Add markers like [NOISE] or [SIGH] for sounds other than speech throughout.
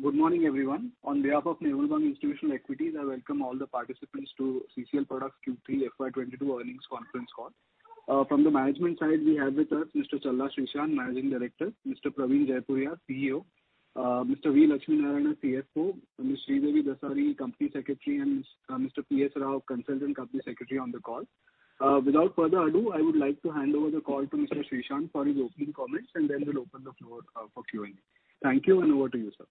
Good morning, everyone. On behalf of Nirmal Bang Institutional Equities, I welcome all the participants to CCL Products Q3 FY 2022 earnings conference call. From the management side, we have with us Mr. Challa Srishant, Managing Director, Mr. Praveen Jaipuriar, CEO, Mr. V. Lakshmi Narayana, CFO, Ms. Sridevi Dasari, Company Secretary, and Mr. P.S. Rao, Consultant Company Secretary on the call. Without further ado, I would like to hand over the call to Mr. Srishant for his opening comments, and then we'll open the floor for Q&A. Thank you, and over to you, sir.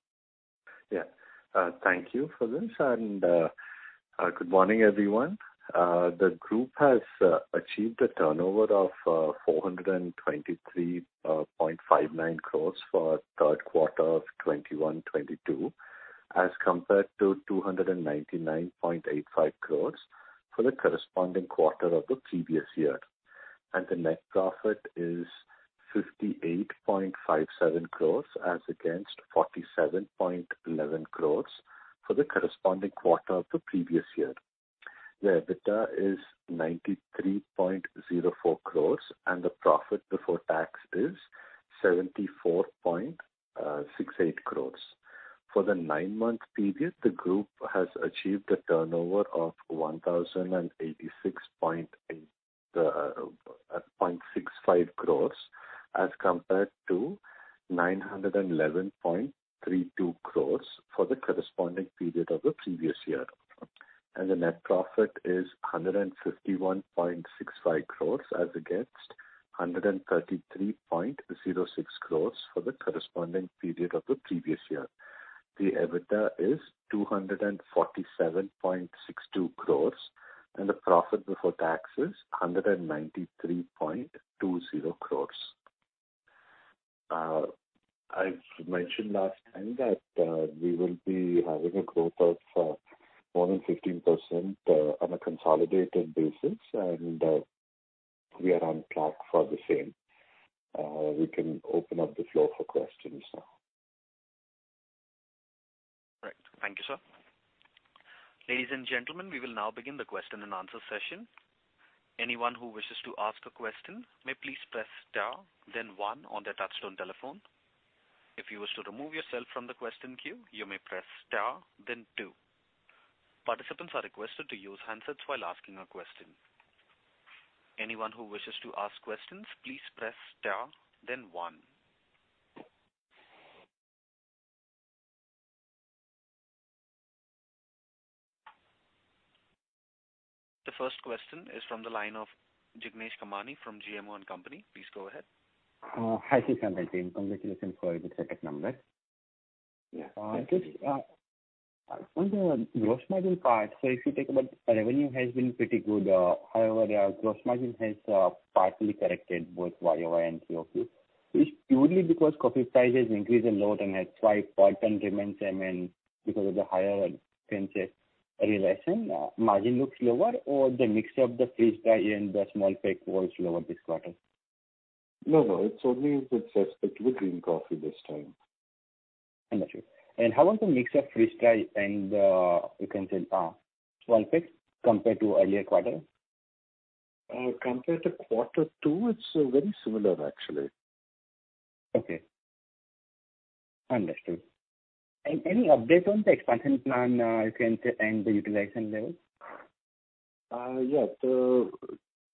Thank you for this, and good morning, everyone. The group has achieved a turnover of 423.59 crores for third quarter of 2021, 2022, as compared to 299.85 crores for the corresponding quarter of the previous year. The net profit is 58.57 crores as against 47.11 crores for the corresponding quarter of the previous year. The EBITDA is 93.04 crores, and the profit before tax is 74.68 crores. For the nine-month period, the group has achieved a turnover of 1,086.65 crores, as compared to 911.32 crores for the corresponding period of the previous year. The net profit is 151.65 crores as against 133.06 crores for the corresponding period of the previous year. The EBITDA is 247.62 crores, and the profit before tax is 193.20 crores. I mentioned last time that we will be having a growth of more than 15% on a consolidated basis, and we are on track for the same. We can open up the floor for questions now. Right. Thank you, sir. Ladies and gentlemen, we will now begin the question-and-answer session. Anyone who wishes to ask a question may please press star then one on their touch-tone telephone. If you wish to remove yourself from the question queue, you may press star then two. Participants are requested to use handsets while asking a question. Anyone who wishes to ask questions, please press star then one. The first question is from the line of Jignesh Kamani from GMO & Co. Please go ahead. Hi, Srishant and team. Congratulations for the terrific numbers. [CROSSTALK] On the gross margin part, if you think about revenue has been pretty good, however, your gross margin has partly corrected both YoY and QoQ. Is it purely because coffee prices increased a lot and that's why gross margin remains, I mean, because of the higher green realization, margin looks lower or the mix of the freeze-dried and the small pack was lower this quarter? No, no. It's only with respect to the green coffee this time. Understood. How was the mix of freeze-dried and, you can say, small packs compared to earlier quarter? Compared to quarter two, it's very similar actually. Okay. Understood. Any update on the expansion plan, you can say, and the utilization levels? Yeah.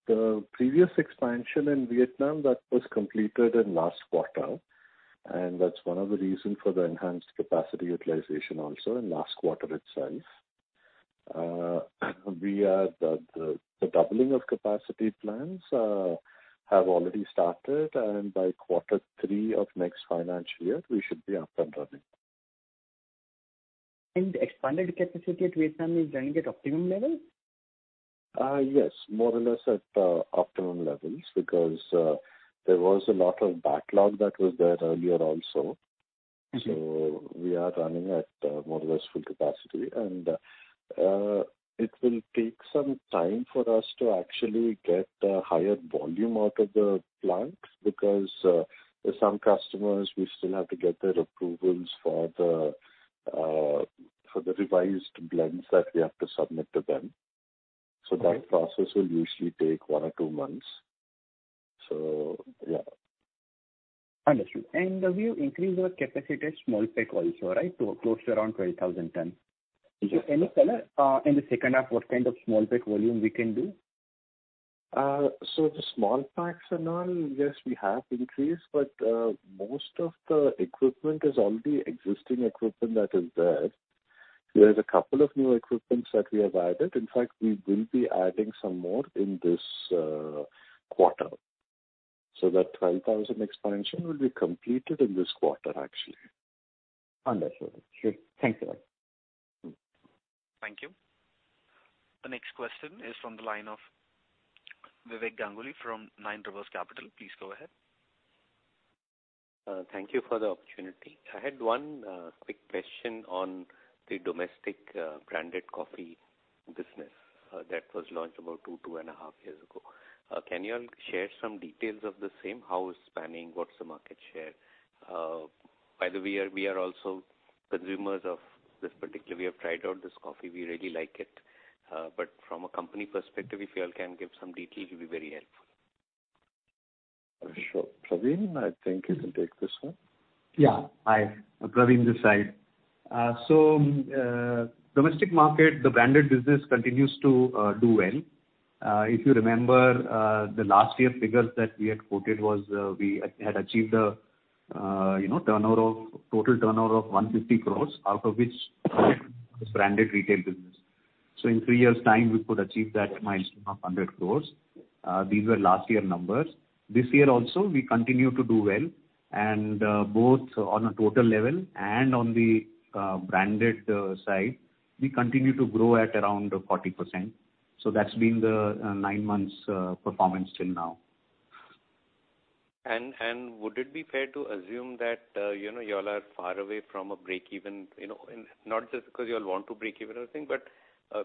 The previous expansion in Vietnam that was completed in last quarter, and that's one of the reasons for the enhanced capacity utilization also in last quarter itself. The doubling of capacity plans have already started, and by quarter three of next financial year we should be up and running. Expanded capacity at Vietnam is running at optimum level? Yes. More or less at optimum levels because there was a lot of backlog that was there earlier also. We are running at more or less full capacity. It will take some time for us to actually get the higher volume out of the plants because there's some customers we still have to get their approvals for the revised blends that we have to submit to them. That process will usually take one or two months. Yeah. Understood. Have you increased your capacity at small pack also, right, to close to around 12,000 tons? Is there any color in the second half what kind of small pack volume we can do? The small packs and all, yes, we have increased, but most of the equipment is only existing equipment that is there. There's a couple of new equipment that we have added. In fact, we will be adding some more in this quarter. That 12,000 expansion will be completed in this quarter actually. Understood. Sure. Thank you. Thank you. The next question is from the line of Vivek Ganguly from Nine Rivers Capital. Please go ahead. Thank you for the opportunity. I had one quick question on the domestic branded coffee business that was launched about two, two and a half years ago. Can you share some details of the same? How is expanding? What's the market share? By the way, we are also consumers of this particular. We have tried out this coffee. We really like it. But from a company perspective, if y'all can give some detail, it'll be very helpful. Sure. Praveen, I think you can take this one. Hi, Praveen [this side]. Domestic market, the branded business continues to do well. If you remember, the last year figures that we had quoted was, we had achieved a, you know, total turnover of 150 crore, out of which was branded retail business. In three years' time, we could achieve that milestone of 100 crore. These were last year numbers. This year also, we continue to do well. Both on a total level and on the branded side, we continue to grow at around 40%. That's been the nine months performance till now. Would it be fair to assume that, you know, y'all are far away from a break even, you know, and not just because you all want to break even or anything, but,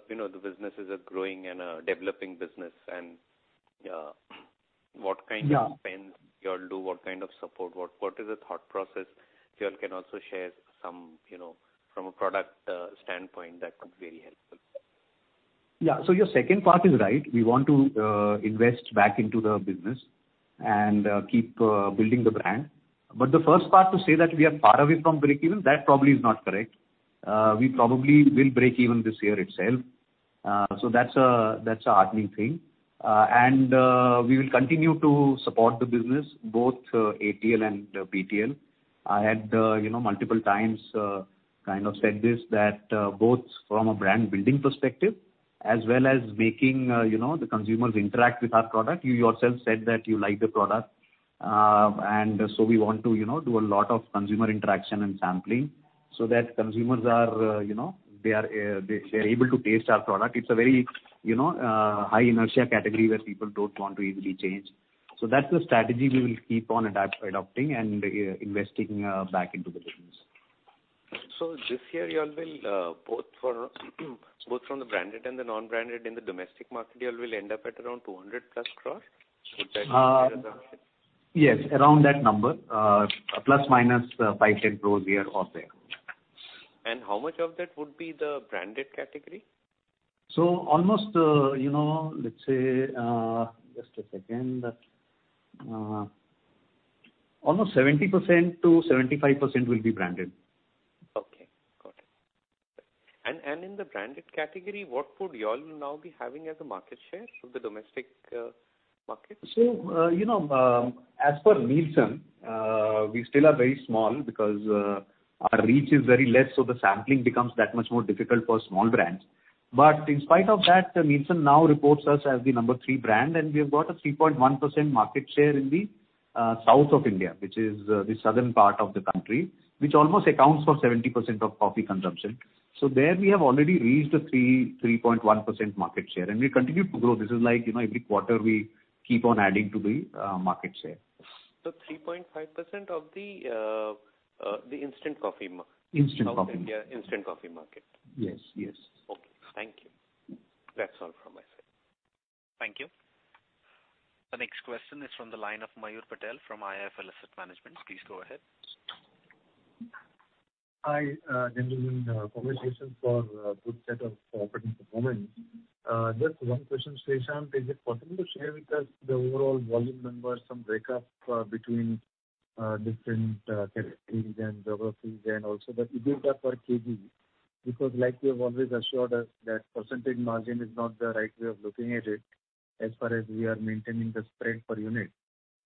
you know, the business is a growing and a developing business and, what kind of spend you all do, what kind of support, what is the thought process? If you all can also share some, you know, from a product standpoint, that would be very helpful. Yeah. Your second part is right. We want to invest back into the business and keep building the brand. But the first part to say that we are far away from break even, that probably is not correct. We probably will break even this year itself. That's a heartening thing. We will continue to support the business both ATL and BTL. I had, you know, multiple times kind of said this, that both from a brand-building perspective as well as making, you know, the consumers interact with our product. You yourself said that you like the product. We want to you know do a lot of consumer interaction and sampling so that consumers are you know they're able to taste our product. It's a very, you know, high-inertia category where people don't want to easily change. That's the strategy we will keep on adopting and investing back into the business. This year you all will both for from the branded and the non-branded in the domestic market, you all will end up at around 200+ crores? Is that a fair assumption? Yes, around that number. INR ±5, 10 crores here or there. How much of that would be the branded category? Almost, you know, let's say, just a second. Almost 70%-75% will be branded. Okay. Got it. In the branded category, what would you all now be having as a market share of the domestic market? you know, as per Nielsen, we still are very small because our reach is very less, so the sampling becomes that much more difficult for small brands. In spite of that, Nielsen now reports us as the number three brand, and we have got a 3.1% market share in the South of India, which is the southern part of the country, which almost accounts for 70% of coffee consumption. There we have already reached 3%, 3.1% market share, and we continue to grow. This is like, you know, every quarter we keep on adding to the market share. 3.5% of the instant coffee mark— South India instant coffee market. Yes. Yes. Okay. Thank you. That's all from my side. Thank you. The next question is from the line of Mayur Patel from IIFL Asset Management. Please go ahead. Hi, gentlemen. Congratulations for a good set of operating performance. Just one question, Srishant. Is it possible to share with us the overall volume numbers, some break up between different territories and geographies, and also the EBITDA per kg? Because like you have always assured us that percentage margin is not the right way of looking at it, as far as we are maintaining the spread per unit.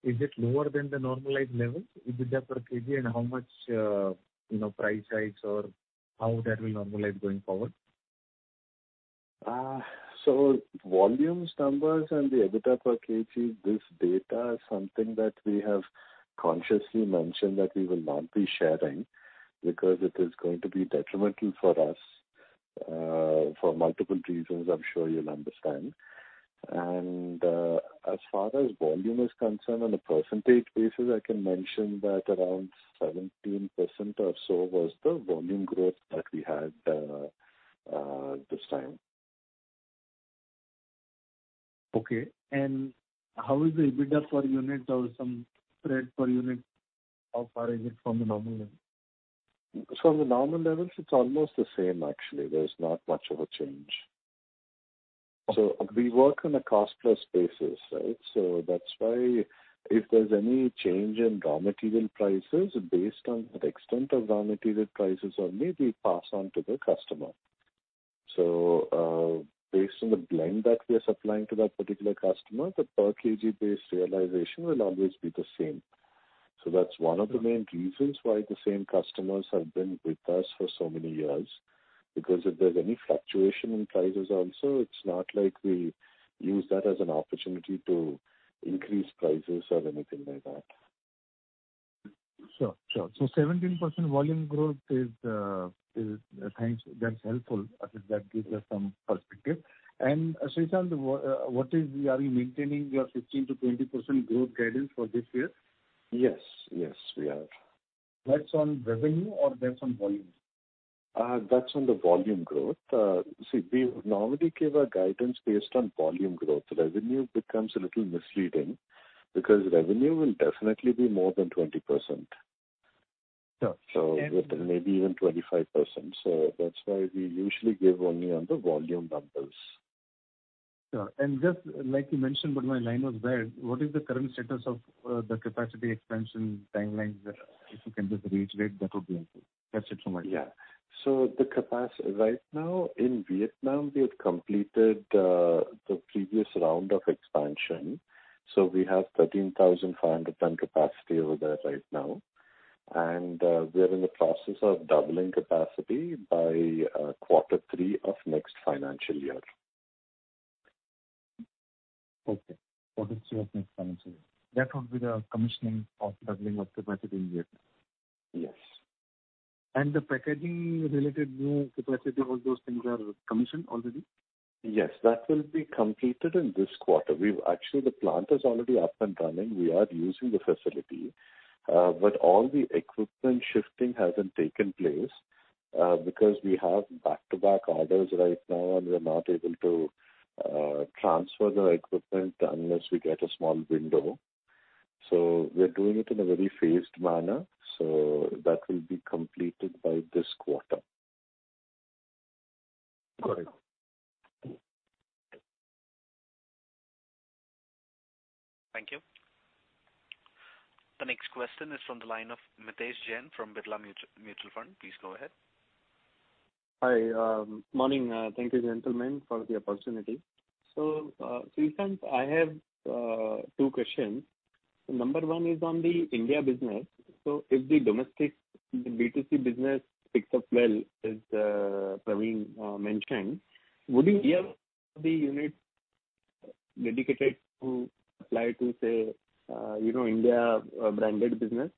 Is it lower than the normalized level? EBITDA per kg and how much, you know, price hikes or how that will normalize going forward? Volumes, numbers, and the EBITDA per kg, this data is something that we have consciously mentioned that we will not be sharing because it is going to be detrimental for us, for multiple reasons I'm sure you'll understand. As far as volume is concerned, on a percentage basis, I can mention that around 17% or so was the volume growth that we had, this time. Okay. How is the EBITDA per unit or some spread per unit, how far is it from the normal level? From the normal levels, it's almost the same actually. There's not much of a change. We work on a cost plus basis, right? That's why if there's any change in raw material prices based on the extent of raw material prices only we pass on to the customer. Based on the blend that we are supplying to that particular customer, the per kg based realization will always be the same. That's one of the main reasons why the same customers have been with us for so many years. Because if there's any fluctuation in prices also, it's not like we use that as an opportunity to increase prices or anything like that. Sure, sure. 17% volume growth is. Thanks. That's helpful. At least that gives us some perspective. Srishant, are we maintaining your 15%-20% growth guidance for this year? Yes. Yes, we are. That's on revenue or that's on volume? That's on the volume growth. See, we normally give a guidance based on volume growth. Revenue becomes a little misleading because revenue will definitely be more than 20%. Sure. Maybe even 25%. That's why we usually give only on the volume numbers. Sure. Just like you mentioned, but my line was bad, what is the current status of the capacity expansion timelines? If you can just reiterate, that would be helpful. That's it from my end. Right now in Vietnam, we have completed the previous round of expansion, so we have 13,500-ton capacity over there right now. We are in the process of doubling capacity by quarter three of next financial year. Okay. Quarter three of next financial year. That would be the commissioning of doubling of capacity in Vietnam? Yes. The packaging related new capacity, all those things are commissioned already? Yes. That will be completed in this quarter. Actually, the plant is already up and running. We are using the facility. But all the equipment shifting hasn't taken place, because we have back-to-back orders right now, and we're not able to transfer the equipment unless we get a small window. We're doing it in a very phased manner, so that will be completed by this quarter. Got it. Thank you. The next question is from the line of Nitesh Jain from Birla Mutual Fund. Please go ahead. Hi. Morning. Thank you, gentlemen, for the opportunity. Three things. I have two questions. Number one is on the India business. If the domestic B2C business picks up well, as Praveen mentioned, would you be [able to dedicate the unit to], say, you know, Indian branded business?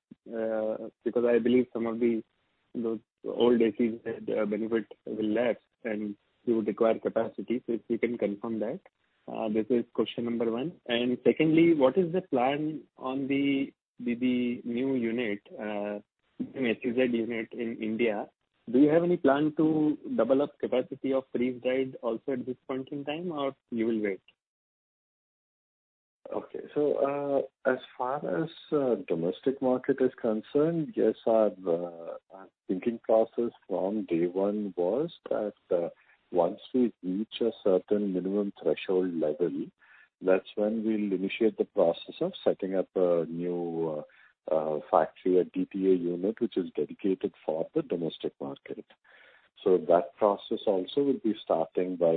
Because I believe some of those old [D2C] benefits will lapse and you would require capacity. If you can confirm that. This is question number one. Secondly, what is the plan on the new unit, [Sullurpet] unit in India? Do you have any plan to double up capacity of freeze-dried also at this point in time, or you will wait? Okay. As far as domestic market is concerned, yes, our thinking process from day one was that once we reach a certain minimum threshold level, that's when we'll initiate the process of setting up a new factory or DTA unit, which is dedicated for the domestic market. That process also will be starting by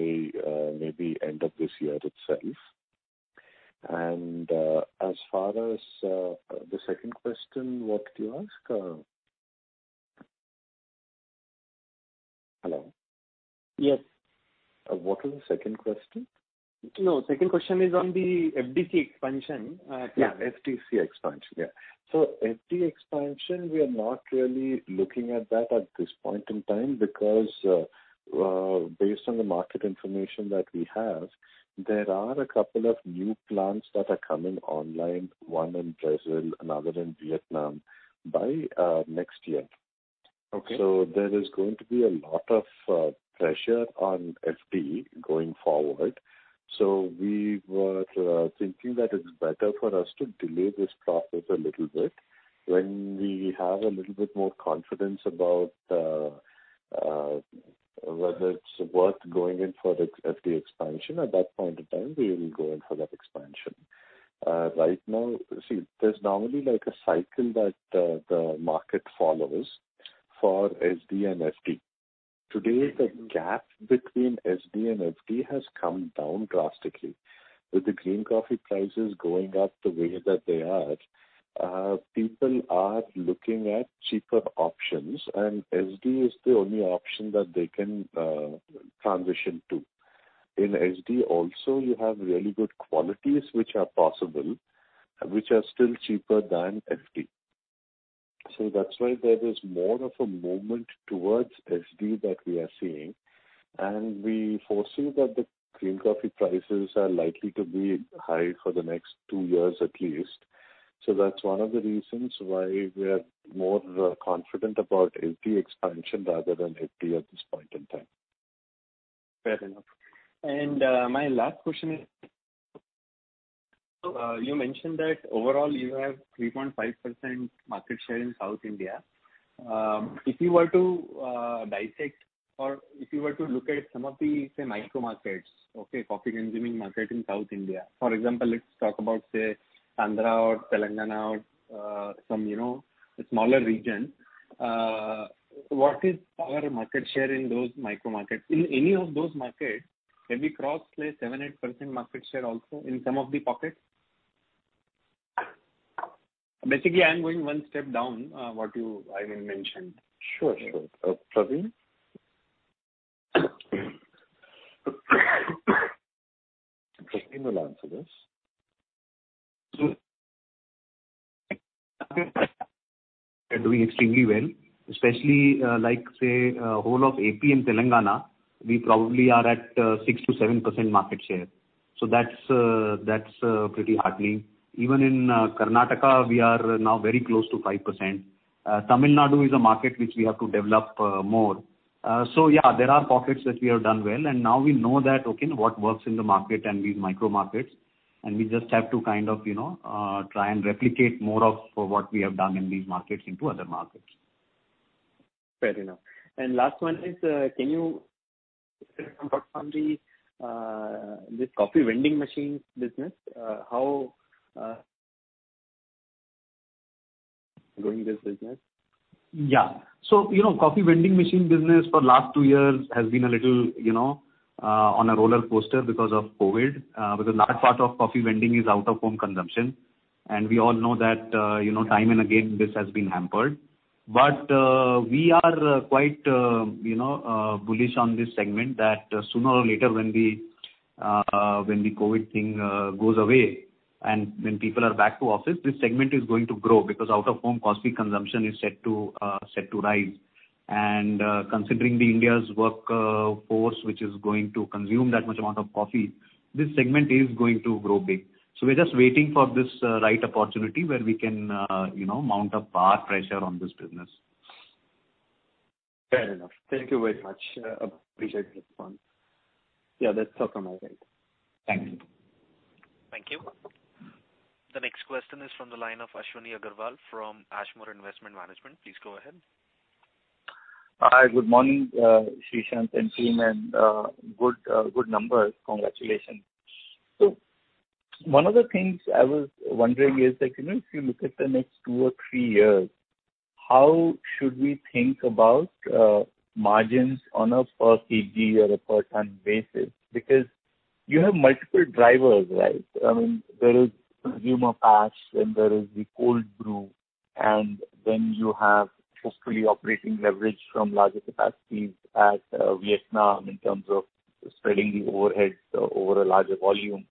maybe end of this year itself. As far as the second question, what did you ask? Hello? Yes. What was the second question? No, second question is on the FDC expansion. FDC expansion. Yeah. We are not really looking at that at this point in time because, based on the market information that we have, there are a couple of new plants that are coming online, one in Brazil, another in Vietnam, by next year. There is going to be a lot of pressure on FD going forward. We were thinking that it's better for us to delay this process a little bit. When we have a little bit more confidence about whether it's worth going in for the FD expansion, at that point in time, we will go in for that expansion. Right now, see, there's normally like a cycle that the market follows for SD and FD. Today, the gap between SD and FD has come down drastically. With the green coffee prices going up the way that they are, people are looking at cheaper options, and SD is the only option that they can transition to. In SD also, you have really good qualities which are possible, which are still cheaper than FD. That's why there is more of a movement towards SD that we are seeing, and we foresee that the green coffee prices are likely to be high for the next two years at least. That's one of the reasons why we are more confident about SD expansion rather than FD at this point in time. Fair enough. My last question is, you mentioned that overall you have 3.5% market share in South India. If you were to dissect or if you were to look at some of the, say, micro markets, okay, coffee-consuming market in South India. For example, let's talk about, say, Andhra or Telangana or, some, you know, smaller region. What is our market share in those micro markets? In any of those markets, have you crossed, say, 7%, 8% market share also in some of the pockets? Basically, I'm going one step down, what you, Praveen mentioned. Sure, sure. Praveen? Praveen will answer this. We're doing extremely well, especially, like, say, whole of AP and Telangana, we probably are at 6%-7% market share. That's pretty heartening. Even in Karnataka, we are now very close to 5%. Tamil Nadu is a market which we have to develop more. Yeah, there are pockets which we have done well, and now we know that, okay, what works in the market and these micro markets. We just have to kind of, you know, try and replicate more of what we have done in these markets into other markets. Fair enough. Last one is how is this coffee vending machines business doing? You know, coffee vending machine business for last two years has been a little, you know, on a roller coaster because of COVID, because large part of coffee vending is out-of-home consumption. We all know that, you know, time and again, this has been hampered. We are quite, you know, bullish on this segment that sooner or later when the COVID thing goes away and when people are back to office, this segment is going to grow because out-of-home coffee consumption is set to rise. Considering India's workforce, which is going to consume that much amount of coffee, this segment is going to grow big. We're just waiting for this right opportunity where we can, you know, mount up our pressure on this business. Fair enough. Thank you very much. Appreciate the response. Yeah, that's all from my side. Thank you. Thank you. The next question is from the line of Ashwini Agarwal from Ashmore Investment Management. Please go ahead. Hi. Good morning, Srishant and team, and good numbers. Congratulations. One of the things I was wondering is that, you know, if you look at the next two or three years, how should we think about, margins on a per kg or a per ton basis? Because you have multiple drivers, right? I mean, there is consumer packs, then there is the cold brew, and then you have hopefully operating leverage from larger capacities at, Vietnam in terms of spreading the overheads over a larger volume.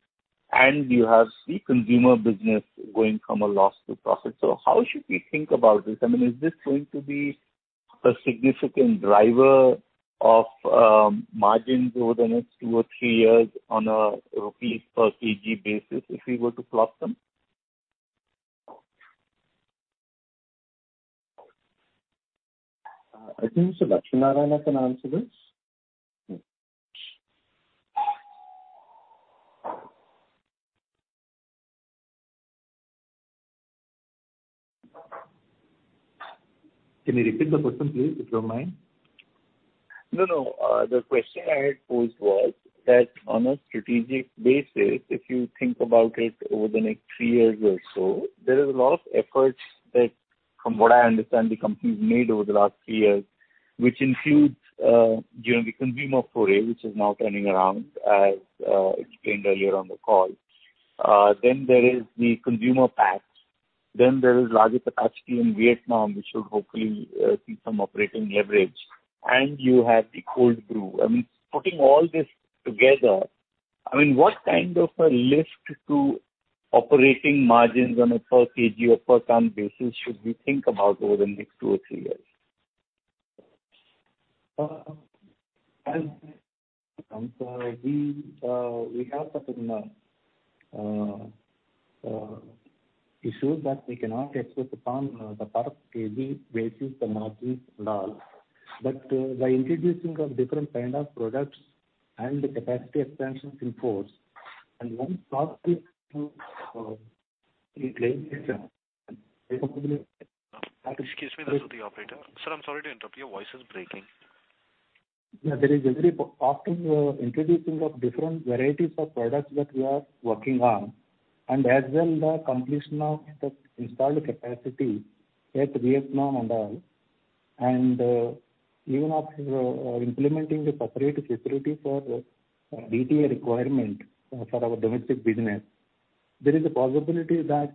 And you have the consumer business going from a loss to profit. How should we think about this? I mean, is this going to be a significant driver of margins over the next two or three years on an rupee-per-kg basis, if we were to plot them? I think Lakshmi Narayana can answer this. Can you repeat the question, please, if you don't mind? No, no. The question I had posed was that on a strategic basis, if you think about it over the next three years or so, there is a lot of efforts that, from what I understand, the company's made over the last three years, which includes, you know, the consumer foray, which is now turning around as explained earlier on the call. Then there is the consumer packs. Then there is larger capacity in Vietnam, which should hopefully see some operating leverage. You have the cold brew. I mean, putting all this together, I mean, what kind of a lift to operating margins on a per-kg or per-ton basis should we think about over the next two or three years? We have certain issues that we cannot expect upon the per- kg basis, the margins and all. By introducing the different kind of products and the capacity expansions in force, and once [AUDIO DISTORTION] Excuse me. This is the operator. Sir, I'm sorry to interrupt. Your voice is breaking. Yeah. After introducing the different varieties of products that we are working on and as well the completion of the installed capacity at Vietnam and all, and even after implementing the separate facility for the DTA requirement for our domestic business, there is a possibility that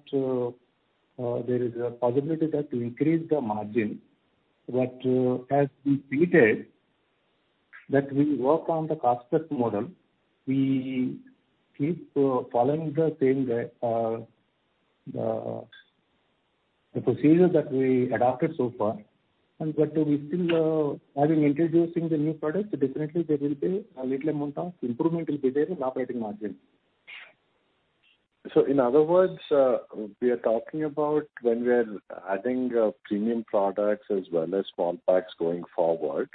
to increase the margin, but as we stated that we work on the cost-plus model, we keep following the same procedure that we adopted so far. But we still having introducing the new products, definitely there will be a little amount of improvement will be there in the operating margin. In other words, we are talking about when we are adding premium products as well as small packs going forward,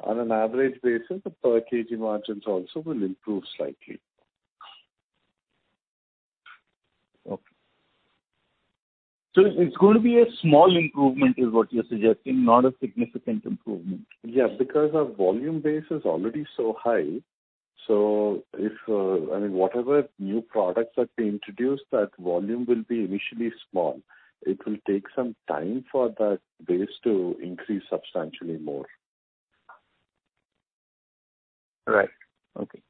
on an average basis, the per kg margins also will improve slightly. Okay. It's going to be a small improvement is what you're suggesting, not a significant improvement. Yeah. Because our volume base is already so high. If, I mean, whatever new products that we introduce, that volume will be initially small. It will take some time for that base to increase substantially more. Right. Okay.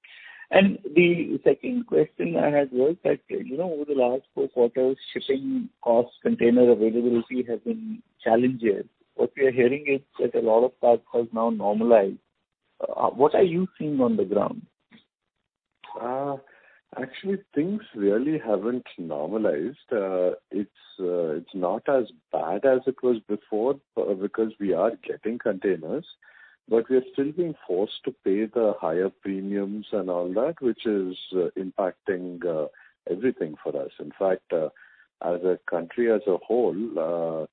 The second question I had was that, you know, over the last four quarters, shipping costs, container availability has been challenging. What we are hearing is that a lot of that has now normalized. What are you seeing on the ground? Actually, things really haven't normalized. It's not as bad as it was before, because we are getting containers, but we are still being forced to pay the higher premiums and all that, which is impacting everything for us. In fact, as a country as a whole,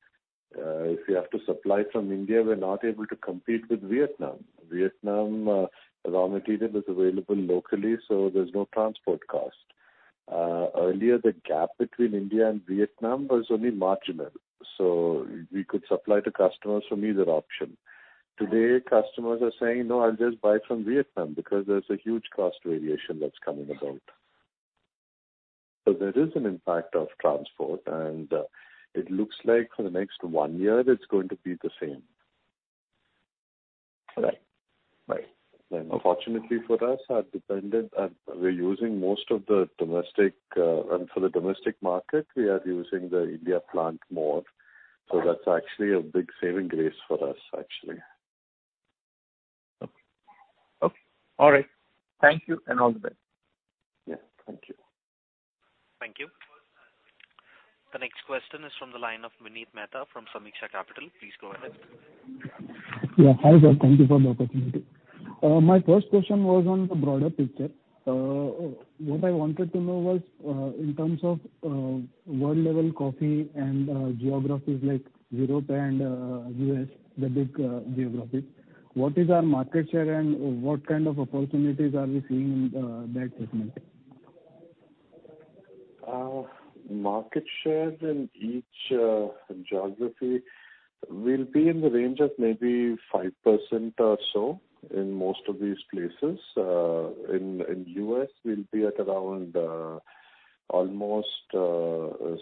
if you have to supply from India, we're not able to compete with Vietnam. Vietnam, raw material is available locally, so there's no transport cost. Earlier, the gap between India and Vietnam was only marginal, so we could supply to customers from either option. Today, customers are saying, "No, I'll just buy from Vietnam," because there's a huge cost variation that's coming about. There is an impact of transport, and it looks like for the next one year it's going to be the same. Right. Right. Fortunately for us, our dependency, we're using most of the domestic. For the domestic market we are using the India plant more. That's actually a big saving grace for us, actually. Okay. All right. Thank you, and all the best. Yeah, thank you. Thank you. The next question is from the line of Vineet Mehta from Sameeksha Capital. Please go ahead. Yeah. Hi, sir. Thank you for the opportunity. My first question was on the broader picture. What I wanted to know was, in terms of world-level coffee and geographies like Europe and, U.S., the big geographies, what is our market share and what kind of opportunities are we seeing in that segment? Our market shares in each geography will be in the range of maybe 5% or so in most of these places. In U.S. we'll be at around almost 7%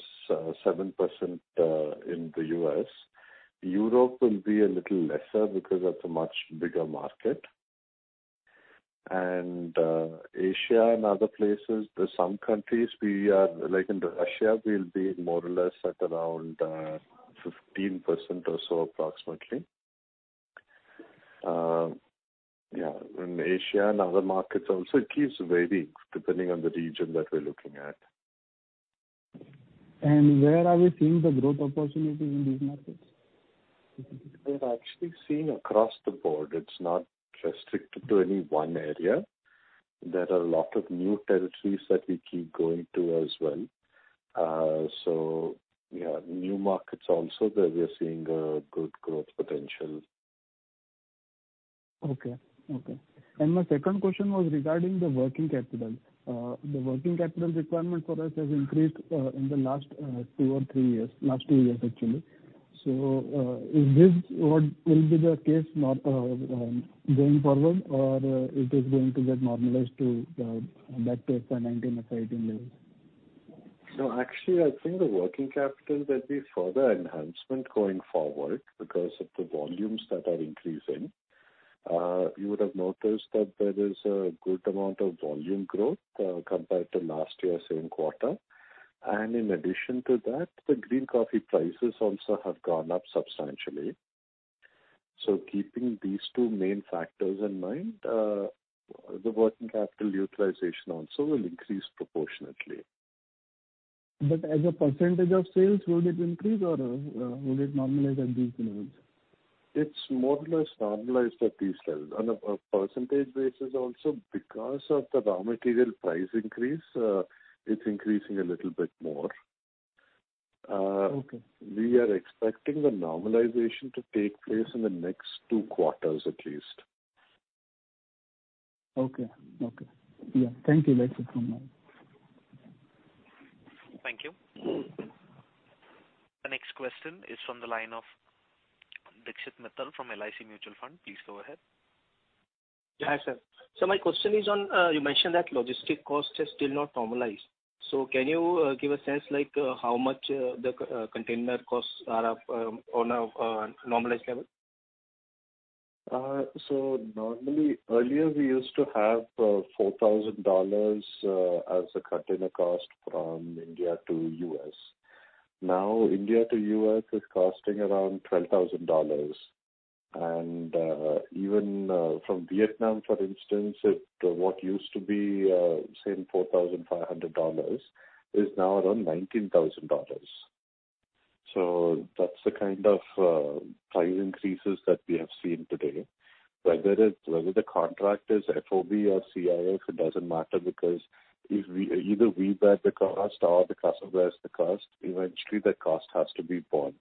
in the U.S. Europe will be a little lesser because that's a much bigger market. Asia and other places, there's some countries we are like in Russia, we'll be more or less at around 15% or so approximately. In Asia and other markets also it keeps varying depending on the region that we're looking at. Where are we seeing the growth opportunities in these markets? We're actually seeing across the board. It's not restricted to any one area. There are a lot of new territories that we keep going to as well. Yeah, new markets also that we are seeing good growth potential. Okay. My second question was regarding the working capital. The working capital requirement for us has increased in the last two or three years. Last two years, actually. Is this what will be the case more going forward or it is going to get normalized to back to its FY 2019, FY 2018 levels? No, actually, I think the working capital there'll be further enhancement going forward because of the volumes that are increasing. You would have noticed that there is a good amount of volume growth, compared to last year same quarter. In addition to that, the green coffee prices also have gone up substantially. Keeping these two main factors in mind, the working capital utilization also will increase proportionately. As a percentage of sales, will it increase or will it normalize at these levels? It's more or less normalized at these levels. On a percentage basis also because of the raw material price increase, it's increasing a little bit more. We are expecting the normalization to take place in the next two quarters at least. Okay. Yeah. Thank you. That's it from me. Thank you. The next question is from the line of Dikshit Mittal from LIC Mutual Fund. Please go ahead. Yeah. Hi, sir. My question is on you mentioned that logistics costs are still not normalized. Can you give a sense like how much the container costs are up on a normalized level? Normally earlier we used to have $4,000 as a container cost from India to U.S. Now India to U.S. is costing around $12,000. Even from Vietnam, for instance, what used to be, say, $4,500 is now around $19,000. That's the kind of price increases that we have seen today. Whether the contract is FOB or CIF, it doesn't matter because either we bear the cost or the customer bears the cost, eventually the cost has to be borne.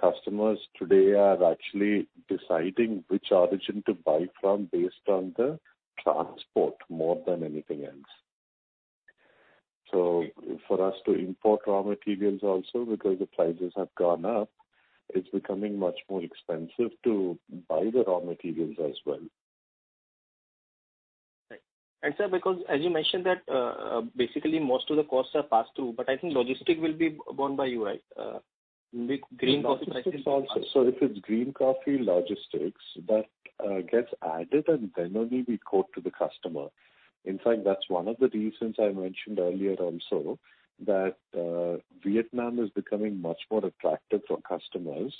Customers today are actually deciding which origin to buy from based on the transport more than anything else. For us to import raw materials also because the prices have gone up, it's becoming much more expensive to buy the raw materials as well. Right. Sir, because as you mentioned that, basically most of the costs are passed through. I think logistics will be borne by you, right? With green coffee— Logistics also. If it's green coffee logistics, that gets added and then only we quote to the customer. In fact, that's one of the reasons I mentioned earlier also that Vietnam is becoming much more attractive for customers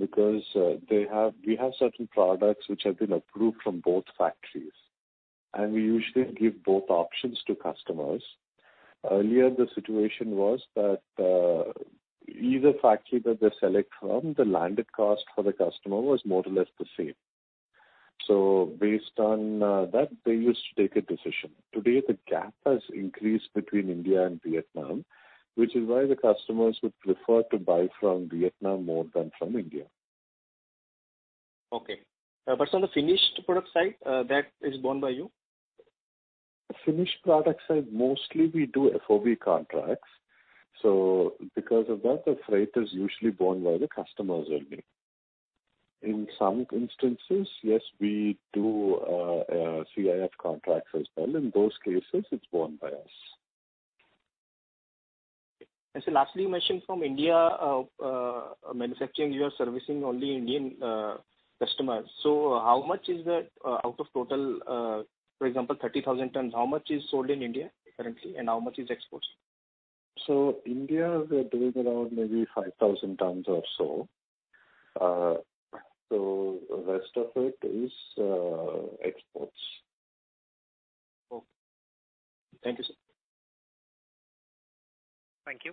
because we have certain products which have been approved from both factories, and we usually give both options to customers. Earlier the situation was that either factory that they select from, the landed cost for the customer was more or less the same. Based on that they used to take a decision. Today, the gap has increased between India and Vietnam, which is why the customers would prefer to buy from Vietnam more than from India. Okay. On the finished product side, that is borne by you? The finished product side, mostly we do FOB contracts. Because of that, the freight is usually borne by the customers only. In some instances, yes, we do CIF contracts as well. In those cases, it's borne by us. Sir lastly, you mentioned from India manufacturing you are servicing only Indian customers. So how much is that out of total for example 30,000 tons, how much is sold in India currently and how much is exports? India, we're doing around maybe 5,000 tons or so. Rest of it is exports. Okay. Thank you, sir. Thank you.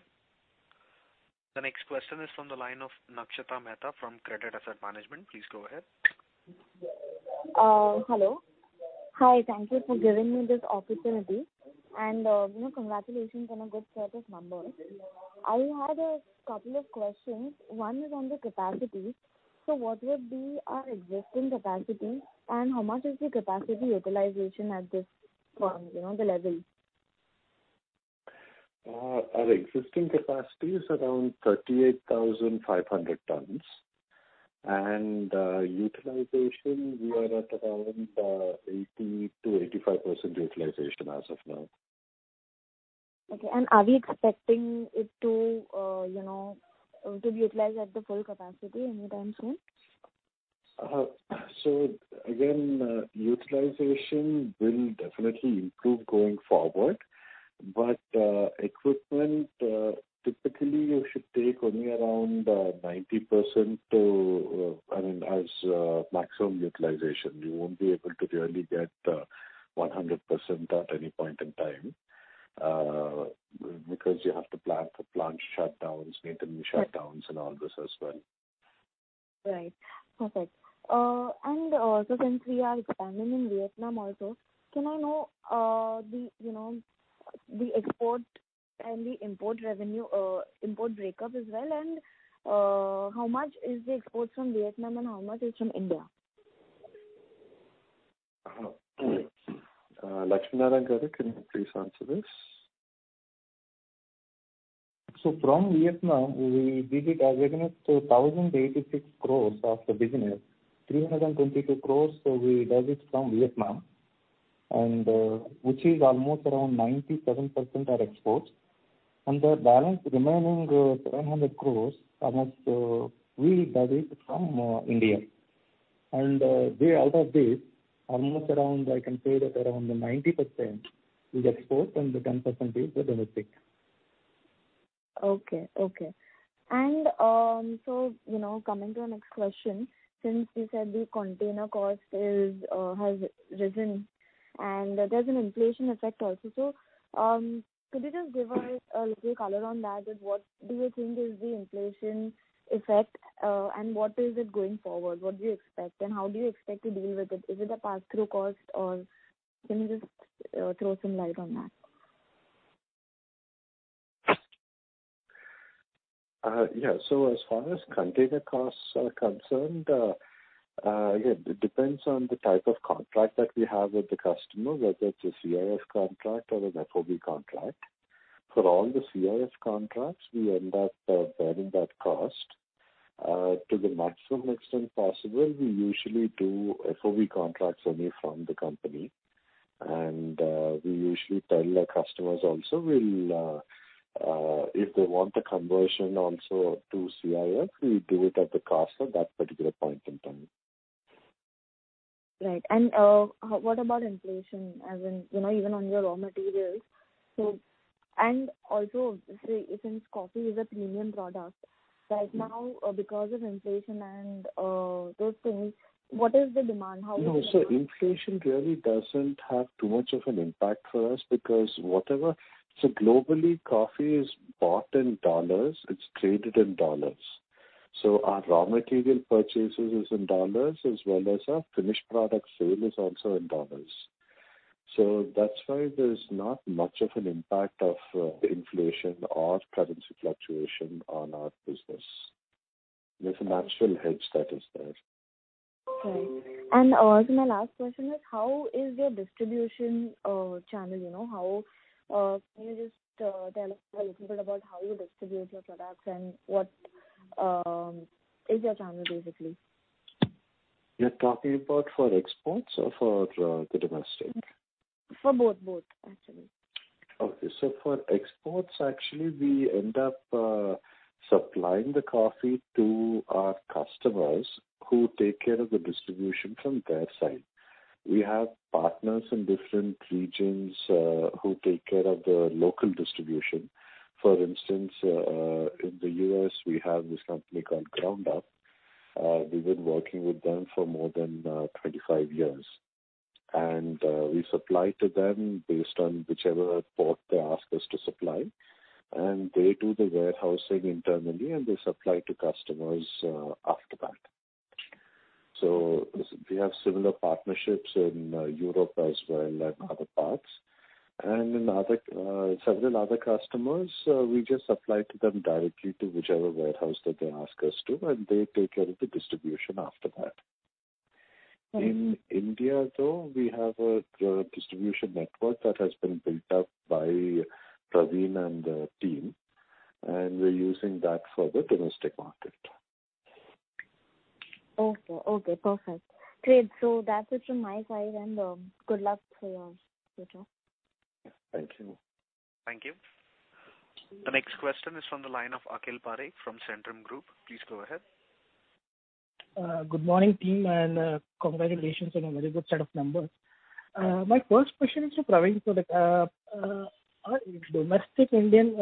The next question is from the line of Nakshita Mehta from Credent Asset Management. Please go ahead. Hello. Hi, thank you for giving me this opportunity and, you know, congratulations on a good set of numbers. I had a couple of questions. One is on the capacity. What would be our existing capacity and how much is the capacity utilization at this point, you know, the level? Our existing capacity is around 38,500 tons. Utilization, we are at around 80%-85% utilization as of now. Okay. Are we expecting it to, you know, to be utilized at the full capacity anytime soon? Again, utilization will definitely improve going forward. Equipment typically you should take only around 90% to, I mean as, maximum utilization. You won't be able to really get 100% at any point in time because you have to plan for plant shutdowns, maintenance shutdowns, and all this as well. Right. Perfect. Since we are expanding in Vietnam also, can I know the, you know, the export and the import revenue, import breakup as well? How much is the exports from Vietnam and how much is from India? Lakshmi Narayana Garu, can you please answer this? From Vietnam we did it as against 2,086 crores of the business, 322 crores we [derived] from Vietnam, which is almost around 97% are exports. The balance remaining, [1,100] crores almost, we derived from India. Out of this almost around I can say that around 90% is export and the 10% is domestic. Okay, you know, coming to our next question, since you said the container cost has risen and there's an inflation effect also. Could you just give us a little color on that, what do you think is the inflation effect, and what is it going forward? What do you expect and how do you expect to deal with it? Is it a pass-through cost or can you just throw some light on that? As far as container costs are concerned, again, it depends on the type of contract that we have with the customer, whether it's a CIF contract or an FOB contract. For all the CIF contracts we end up bearing that cost. To the maximum extent possible we usually do FOB contracts only from the company. We usually tell our customers also we'll if they want the conversion also to CIF, we do it at the cost of that particular point in time. Right. What about inflation as in, you know, even on your raw materials? Also say since coffee is a premium product right now, because of inflation and those things, what is the demand? How is it— No. Inflation really doesn't have too much of an impact for us because globally coffee is bought in dollars, it's traded in dollars. Our raw material purchases is in dollars as well as our finished product sale is also in dollars. That's why there's not much of an impact of inflation or currency fluctuation on our business. There's a natural hedge that is there. Right. My last question is how is your distribution channel, you know? How can you just tell us a little bit about how you distribute your products and what is your channel basically? You're talking about for exports or for the domestic? For both. Both actually. Okay. For exports actually we end up supplying the coffee to our customers who take care of the distribution from their side. We have partners in different regions who take care of the local distribution. For instance, in the U.S. we have this company called Ground Up. We've been working with them for more than 25 years. We supply to them based on whichever port they ask us to supply, and they do the warehousing internally, and they supply to customers after that. We have similar partnerships in Europe as well and other parts. In other several other customers we just supply to them directly to whichever warehouse that they ask us to, and they take care of the distribution after that. In India, though, we have a distribution network that has been built up by Praveen and the team, and we're using that for the domestic market. Okay, perfect. Great. That's it from my side, and good luck for your future. Thank you. Thank you. The next question is from the line of Akhil Parekh from Centrum Group. Please go ahead. Good morning, team, and congratulations on a very good set of numbers. My first question is to Praveen. Our domestic Indian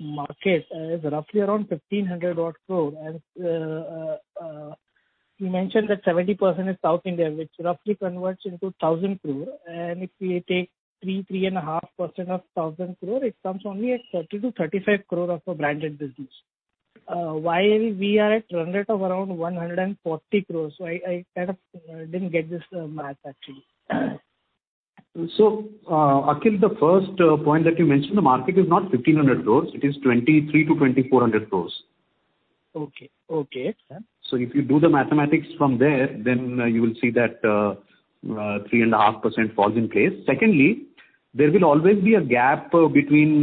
market is roughly around 1,500 crore. You mentioned that 70% is South India, which roughly converts into 1,000 crore. If we take 3%, 3.5% of 1,000 crore, it comes only at 30 crore-35 crore of branded business. Why we are at run rate of around 140 crore? I kind of didn't get this math actually. Akhil, the first point that you mentioned, the market is not 1,500 crore. It is 2,300 crore-2,400 crore. Okay. Okay. If you do the mathematics from there, then you will see that 3.5% falls in place. Secondly, there will always be a gap between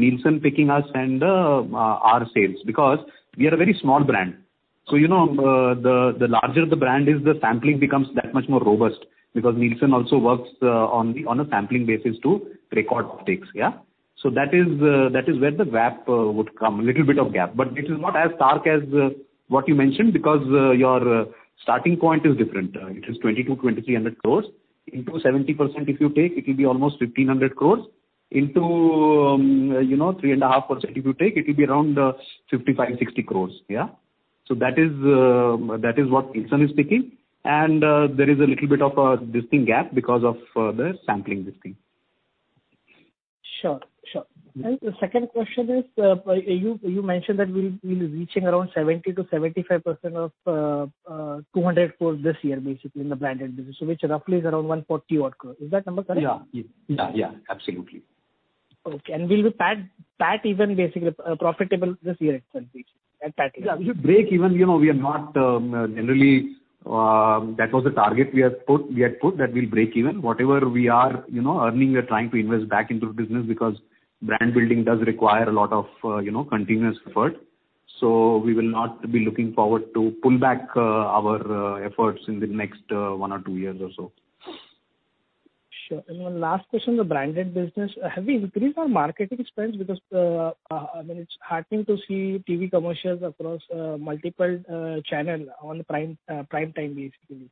Nielsen picking us and our sales because we are a very small brand. You know, the larger the brand is, the sampling becomes that much more robust because Nielsen also works on a sampling basis to record things, yeah? That is where the gap would come, a little bit of gap. But it is not as stark as what you mentioned because your starting point is different. It is 2,000 crore-2,300 crore. Into 70% if you take, it will be almost 1,500 crore into, you know, 3.5% if you take, it will be around 55 crore, 60 crore, yeah? That is what Nielsen is picking. There is a little bit of a distinct gap because of the sampling this thing. Sure. Sure. Second question is you mentioned that we'll be reaching around 70%-75% of 200 crore this year, basically in the branded business, which roughly is around 140-odd crore. Is that number correct? Yeah, absolutely. Will you break even basically profitable this year itself basically at break even? Yeah, we should break even. You know, we are not generally that was the target we had put that we'll break even. Whatever we are, you know, earning, we are trying to invest back into the business because brand building does require a lot of, you know, continuous effort. We will not be looking forward to pull back our efforts in the next one or two years or so. Sure. One last question, the branded business. Have you increased your marketing expense? Because, I mean, it's heartening to see TV commercials across multiple channels on prime time basically.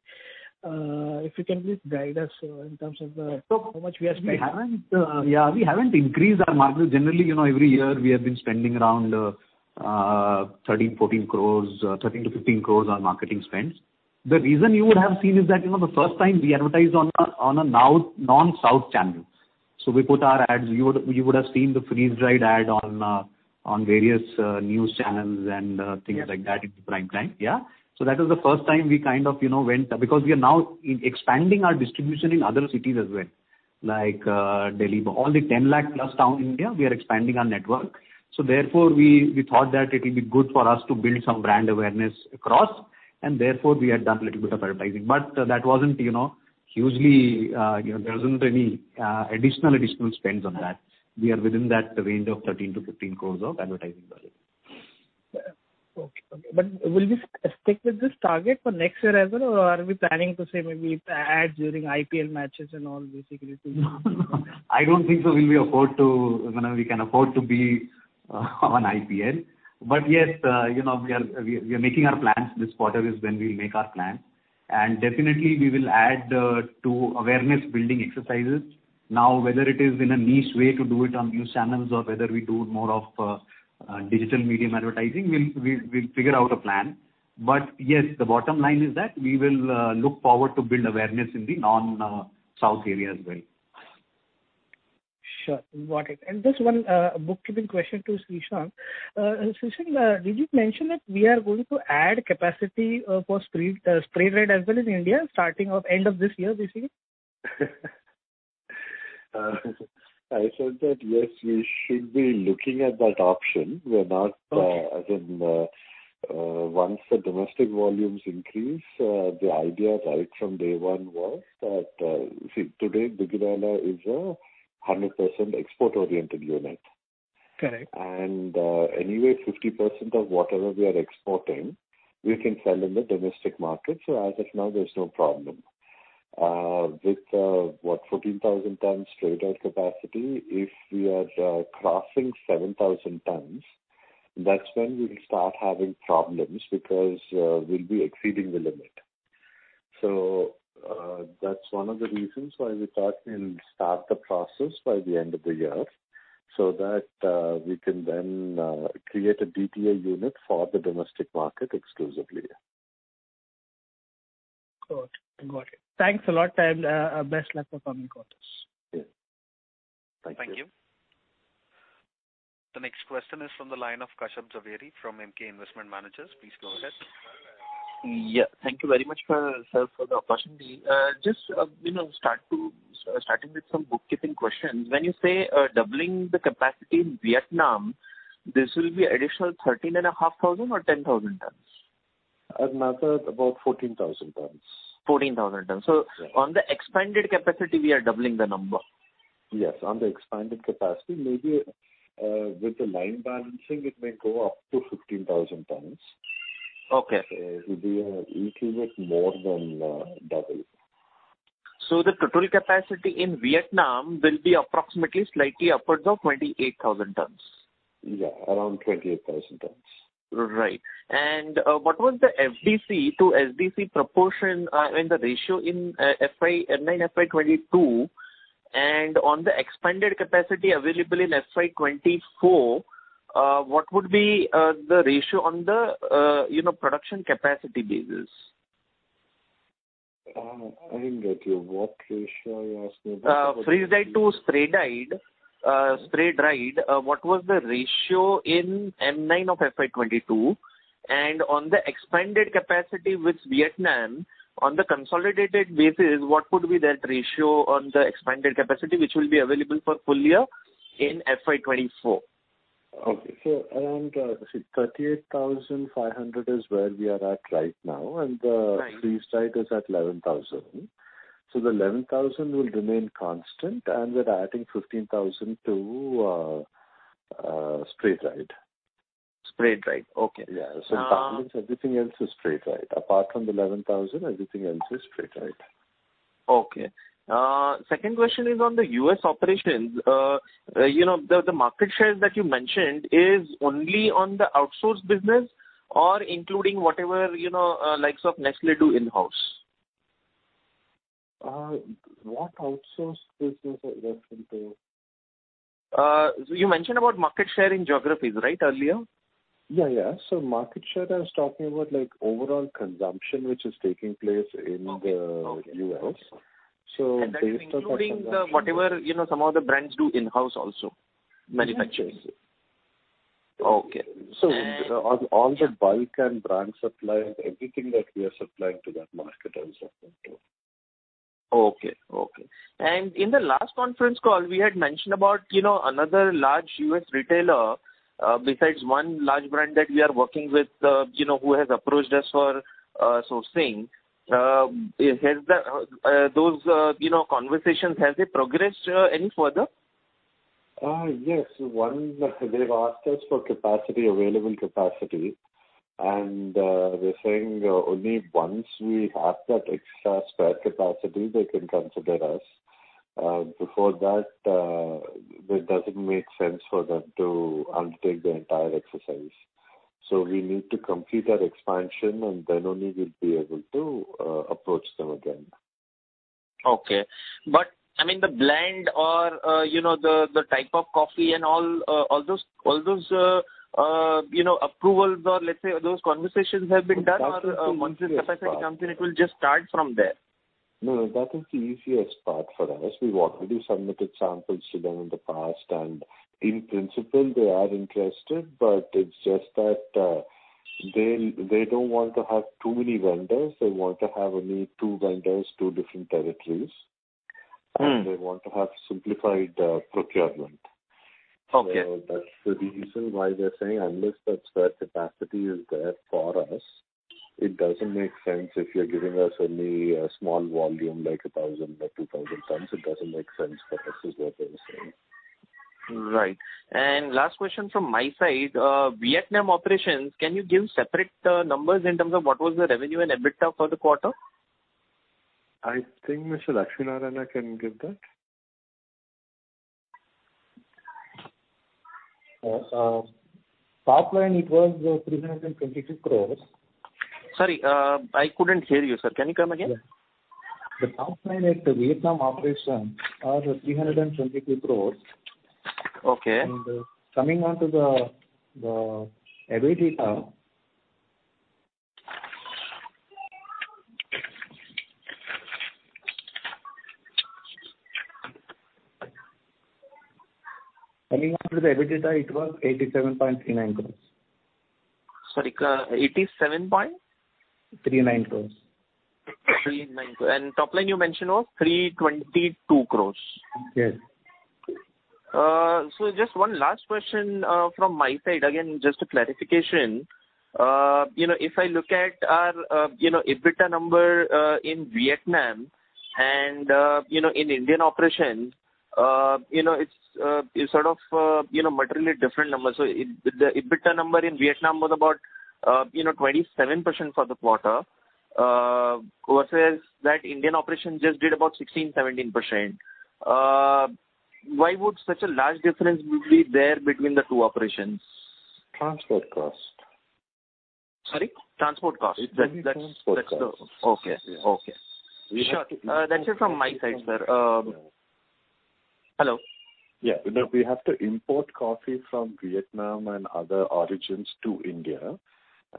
If you can please guide us in terms of how much you are spending. We haven't increased our marketing. Generally, every year we have been spending around 13 crore, 14 crore, 13 crore-15 crore on marketing spends. The reason you would have seen is that the first time we advertised on non-South channels. We put our ads. You would have seen the freeze-dried ad on various news channels and things like that in prime time, yeah. That is the first time we kind of, you know, went. Because we are now expanding our distribution in other cities as well, like, Delhi. All the 10-lakh-plus towns in India, we are expanding our network. Therefore, we thought that it will be good for us to build some brand awareness across, and therefore, we had done a little bit of advertising. But that wasn't, you know, hugely, there wasn't any additional spends on that. We are within that range of 13 crore-15 crore of advertising budget. Yeah. Okay. Will we stick with this target for next year as well, or are we planning to say maybe ads during IPL matches and all basically to— I don't think so, you know, we can afford to be on IPL. Yes, you know, we are making our plans. This quarter is when we'll make our plans. Definitely we will add to awareness-building exercises. Now, whether it is in a niche way to do it on news channels or whether we do more of digital media advertising, we'll figure out a plan. Yes, the bottom line is that we will look forward to build awareness in the non-South area as well. Sure. Got it. Just one bookkeeping question to Srishant. Srishant, did you mention that we are going to add capacity for spray-dried as well in India, starting from end of this year, basically? I said that, yes, we should be looking at that option. Once the domestic volumes increase, the idea right from day one was that— See, today Duggirala is a 100% export-oriented unit. Correct. Anyway, 50% of whatever we are exporting, we can sell in the domestic market. As of now, there's no problem. With 14,000-ton spray-dried capacity, if we are crossing 7,000 tons, that's when we will start having problems because we'll be exceeding the limit. That's one of the reasons why we thought we'll start the process by the end of the year. That way, we can then create a DTA unit for the domestic market exclusively. Got it. Thanks a lot. Best luck for coming quarters. Yeah. Thank you. Thank you. The next question is from the line of Kashyap Javeri from Emkay Investment Managers. Please go ahead. Yeah, thank you very much, sir, for the opportunity. Just, you know, starting with some bookkeeping questions. When you say doubling the capacity in Vietnam, this will be additional 13,500 or 10,000 tons? Another about 14,000 tons. 14,000 tons. On the expanded capacity, we are doubling the number. Yes, on the expanded capacity, maybe, with the line balancing, it may go up to 15,000 tons. It will be a little bit more than double. The total capacity in Vietnam will be approximately slightly upwards of 28,000 tons. Yeah, around 28,000 tons. Right. What was the FDC to SDC proportion in the ratio in M9 FY 2022, and on the expanded capacity available in FY 2024, what would be the ratio on the, you know, production capacity basis? I didn't get you. What ratio are you asking about? Freeze-dried to spray-dried, what was the ratio in M9 of FY 2022? On the expanded capacity with Vietnam, on the consolidated basis, what would be that ratio on the expanded capacity which will be available for full year in FY 2024? Around 38,500 is where we are at right now. The freeze-dried is at 11,000. The 11,000 will remain constant, and we're adding 15,000 to spray-dried. Spray-dried. Okay. Yeah. That means everything else is spray-dried. Apart from the 11,000, everything else is spray-dried. Okay. Second question is on the U.S. operations. You know, the market shares that you mentioned is only on the outsourced business or including whatever, you know, likes of Nestlé do in-house. What outsource business are you referring to? You mentioned about market share in geographies, right, earlier? Yeah, yeah. Market share I was talking about, like, overall consumption which is taking place in the U.S. based on consumption— That's including the whatever, you know, some of the brands do in-house also manufacturing. Yes, yes. Okay. All the bulk and brand supplies, everything that we are supplying to that market I was referring to. Okay. In the last conference call, you had mentioned about, you know, another large U.S. retailer, besides one large brand that we are working with, you know, who has approached us for sourcing. Those conversations, has it progressed any further? Yes. One, they've asked us for capacity, available capacity. We're saying only once we have that extra spare capacity they can consider us. Before that, it doesn't make sense for them to undertake the entire exercise. We need to complete our expansion and then only we'll be able to approach them again. Okay. I mean, the blend or, you know, the type of coffee and all those, you know, approvals or let's say those conversations have been done or— No, that is the easiest part. Once the capacity comes in, it will just start from there. No, that is the easiest part for us. We've already submitted samples to them in the past. In principle, they are interested, but it's just that, they don't want to have too many vendors. They want to have only two vendors, two different territories. They want to have simplified procurement. That's the reason why they're saying unless that spare capacity is there for us, it doesn't make sense if you're giving us only a small volume, like 1,000 or 2,000 tons. It doesn't make sense for us, is what they're saying. Right. Last question from my side. Vietnam operations, can you give separate numbers in terms of what was the revenue and EBITDA for the quarter? I think Mr. Lakshmi Narayana can give that. Top line, it was 322 crores. Sorry, I couldn't hear you, sir. Can you come again? The top line at the Vietnam operations are 322 crores. Okay. Coming on to the EBITDA, it was 87.39 crores. Sorry, 87 point? 0.39 crore. 0.39 crore. Top line you mentioned was 322 crore. Yes. Just one last question from my side. Again, just a clarification. You know, if I look at our, you know, EBITDA number in Vietnam and, you know, in Indian operations, you know, it's sort of, you know, materially different numbers. The EBITDA number in Vietnam was about, you know, 27% for the quarter versus that Indian operation just did about 16%, 17%. Why would such a large difference be there between the two operations? Transport costs. Sorry? Transport cost. [crostalk] Okay. Sure. That's it from my side, sir. Hello? Yeah. No, we have to import coffee from Vietnam and other origins to India.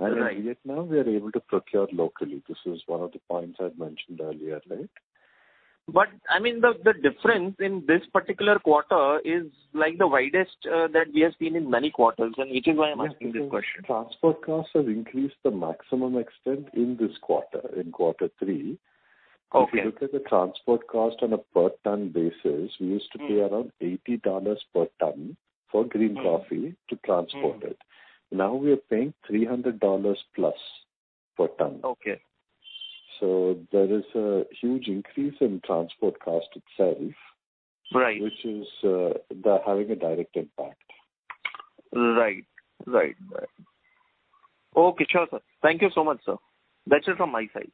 In Vietnam, we are able to procure locally. This is one of the points I'd mentioned earlier, right? I mean, the difference in this particular quarter is like the widest that we have seen in many quarters, and which is why I'm asking this question. Transport costs have increased the maximum extent in this quarter, in quarter three. If you look at the transport cost on a per-ton basis, we used to pay around $80 per ton for green coffee to transport it. Now we are paying $300+ per ton. Okay. There is a huge increase in transport cost itself which is having a direct impact. Right. Okay, sure, sir. Thank you so much, sir. That's it from my side.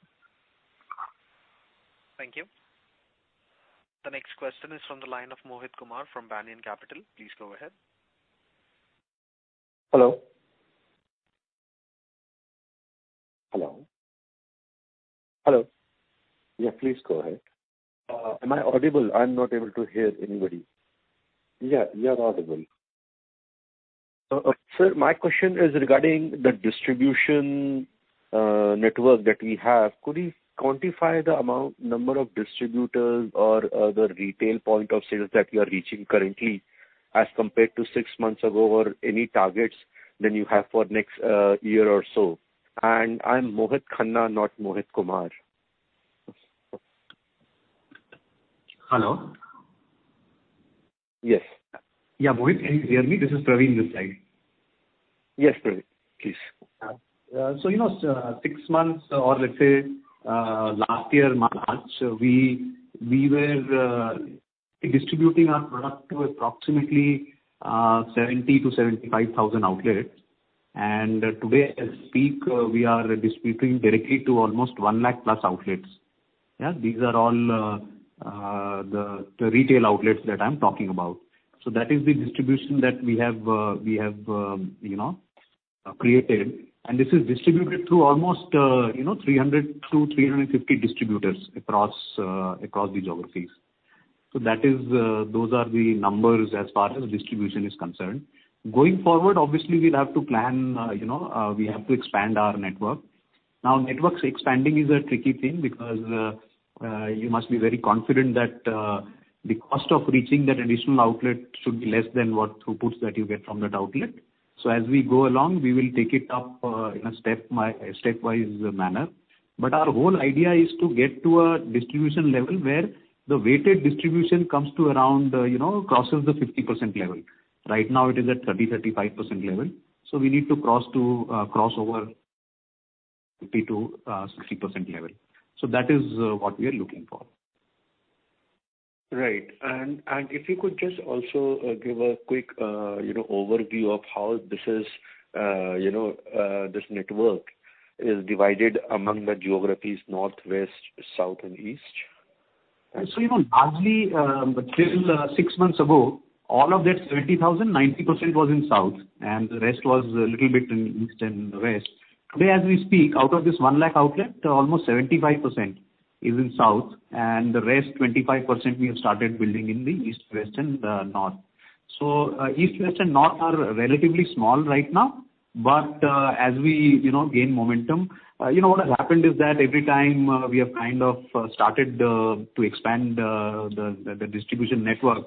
Thank you. The next question is from the line of Mohit Kumar from Banyan Capital. Please go ahead. Hello? Hello? Hello? Yeah, please go ahead. Am I audible? I'm not able to hear anybody. Yeah, you are audible. Sir, my question is regarding the distribution network that we have. Could you quantify the number of distributors or other retail points of sale that you are reaching currently as compared to six months ago or any targets that you have for next year or so? I'm Mohit Khanna, not Mohit Kumar. Hello? Yes. Yeah, Mohit, can you hear me? This is Praveen [this side]. Yes, Praveen. Please. Six months or, let's say, March last year, we were distributing our product to approximately 70,000-75,000 outlets. Today at peak, we are distributing directly to almost 1 lakh+ outlets. These are all the retail outlets that I'm talking about. That is the distribution that we have, you know, created. This is distributed through almost 300-350 distributors across the geographies. That is those are the numbers as far as distribution is concerned. Going forward, obviously we'll have to plan, you know, we have to expand our network. Networks expanding is a tricky thing because you must be very confident that the cost of reaching that additional outlet should be less than what output you get from that outlet. As we go along, we will take it up in a stepwise manner. Our whole idea is to get to a distribution level where the weighted distribution comes to around, you know, crosses the 50% level. Right now it is at 30%, 35% level. We need to cross over 50%-60% level. That is what we are looking for. Right. If you could just also give a quick, you know, overview of how this is, you know, this network is divided among the geographies, north, west, south and east? You know, largely, till six months ago, all of that [30,000], 90% was in south, and the rest was a little bit in east and west. Today as we speak, out of this 1-lakh outlets, almost 75% is in south, and the rest 25% we have started building in the east, west,, and north. East, west and north are relatively small right now. As we, you know, gain momentum. You know, what has happened is that every time we have kind of started to expand the distribution network,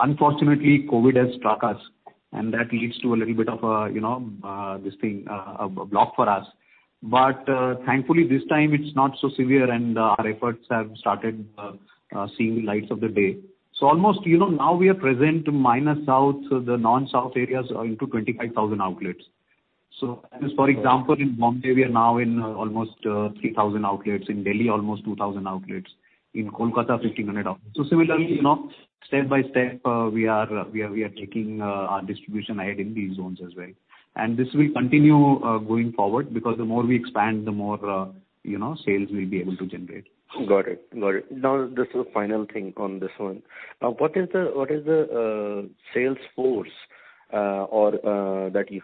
unfortunately, COVID has struck us, and that leads to a little bit of, you know, this thing, a block for us. Thankfully this time it's not so severe and our efforts have started seeing the light of day. Almost, you know, now we are present minus south, so the non-south areas in 25,000 outlets. As for example in Bombay we are now in almost 3,000 outlets. In Delhi almost 2,000 outlets. In Kolkata 1,500 outlets. Similarly, you know, step by step we are taking our distribution ahead in these zones as well. This will continue going forward because the more we expand, the more, you know, sales we'll be able to generate. Got it. Now this is the final thing on this one. What is the sales force or that you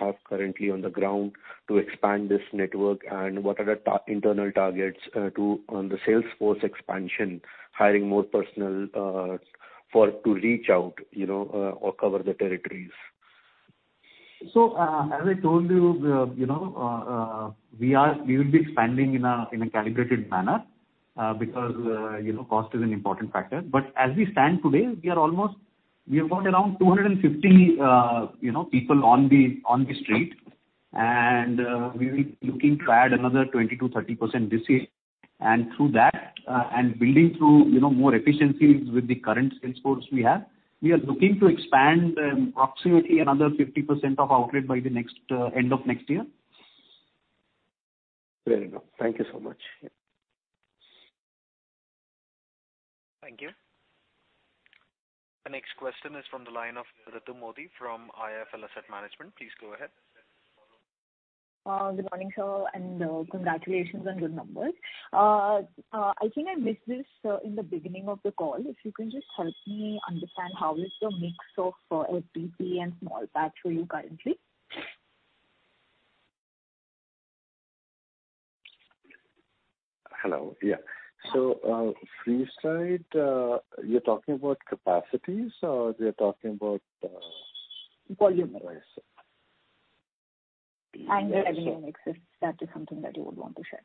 have currently on the ground to expand this network, and what are the internal targets to on the sales force expansion, hiring more personnel for to reach out, you know or cover the territories? As I told you, you know, we will be expanding in a calibrated manner, because you know, cost is an important factor. As we stand today, we have almost got around 250, you know, people on the street. We will be looking to add another 20%-30% this year. Through that, and building through, you know, more efficiencies with the current sales force we have, we are looking to expand approximately another 50% of outlet by the end of next year. Fair enough. Thank you so much. Yeah. Thank you. The next question is from the line of Ritu Modi from IIFL Asset Management. Please go ahead. Good morning, sir, and congratulations on your numbers. I think I missed this in the beginning of the call. If you can just help me understand how is the mix of FPP and small batch for you currently? Hello. Yeah. Freeze-dried, you're talking about capacities or we're talking about... Volume. And the revenue mix, if that is something that you would want to share.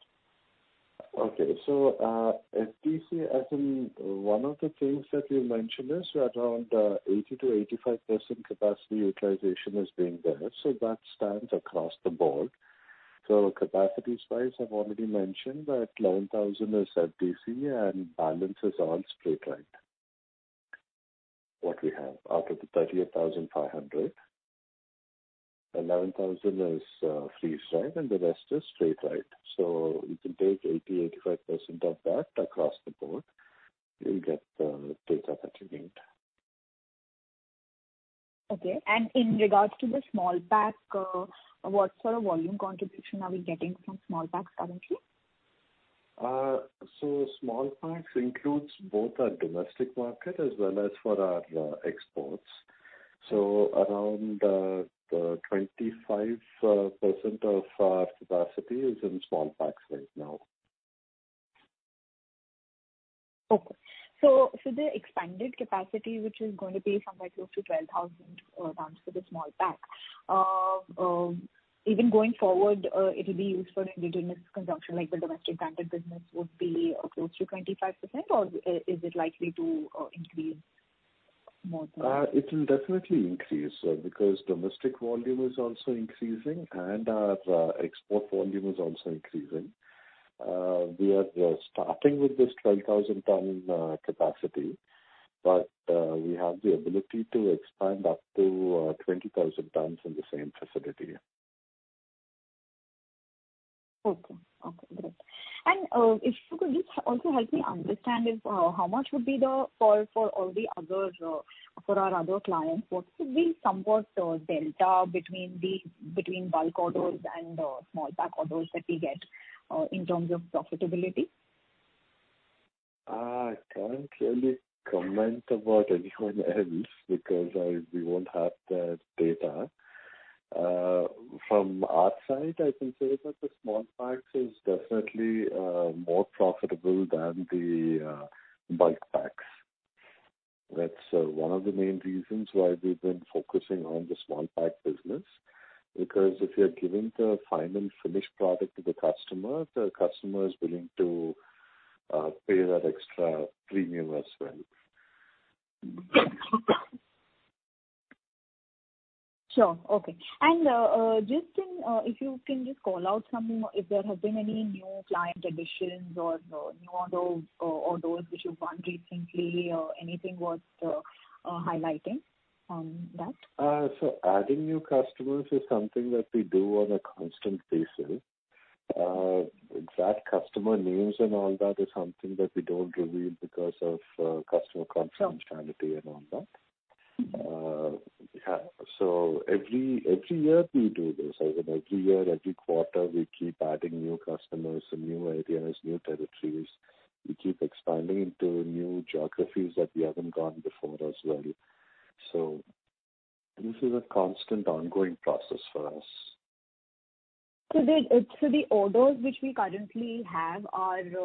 Okay. FDC, as in one of the things that you mentioned is around 80%-85% capacity utilization is being there, so that stands across the board. Capacities-wise, I've already mentioned that 11,000 is FDC and balance is all spray-dried. What we have, out of the 38,500, 11,000 is freeze-dried and the rest is spray-dried. You can take 80%, 85% of that across the board. You'll get the data that you need. Okay. In regards to the small pack, what sort of volume contribution are we getting from small packs currently? Small packs includes both our domestic market as well as for our exports. Around 25% of our capacity is in small packs right now. Okay. The expanded capacity, which is going to be somewhere close to 12,000 tons for the small pack, even going forward, it'll be used for indigenous consumption, like the domestic-branded business would be close to 25% or is it likely to increase more? It will definitely increase because domestic volume is also increasing and our export volume is also increasing. We are starting with this 12,000-ton capacity, but we have the ability to expand up to 20,000 tons in the same facility. Okay, great. If you could just also help me understand, for our other clients, what could be somewhat delta between the bulk orders and small pack orders that we get in terms of profitability? I can't really comment about anyone else because we won't have the data. From our side, I can say that the small packs is definitely more profitable than the bulk packs. That's one of the main reasons why we've been focusing on the small-pack business, because if you are giving the final finished product to the customer, the customer is willing to pay that extra premium as well. Sure. Okay. Just in, if you can just call out something, if there have been any new client additions or those which you've won recently or anything worth highlighting on that? Adding new customers is something that we do on a constant basis. Exact customer names and all that is something that we don't reveal because of customer confidentiality and all that. Sure. Yeah, every year we do this. Every year, every quarter, we keep adding new customers and new ideas, new territories. We keep expanding into new geographies that we haven't gone before as well. This is a constant ongoing process for us. To the orders which we currently have and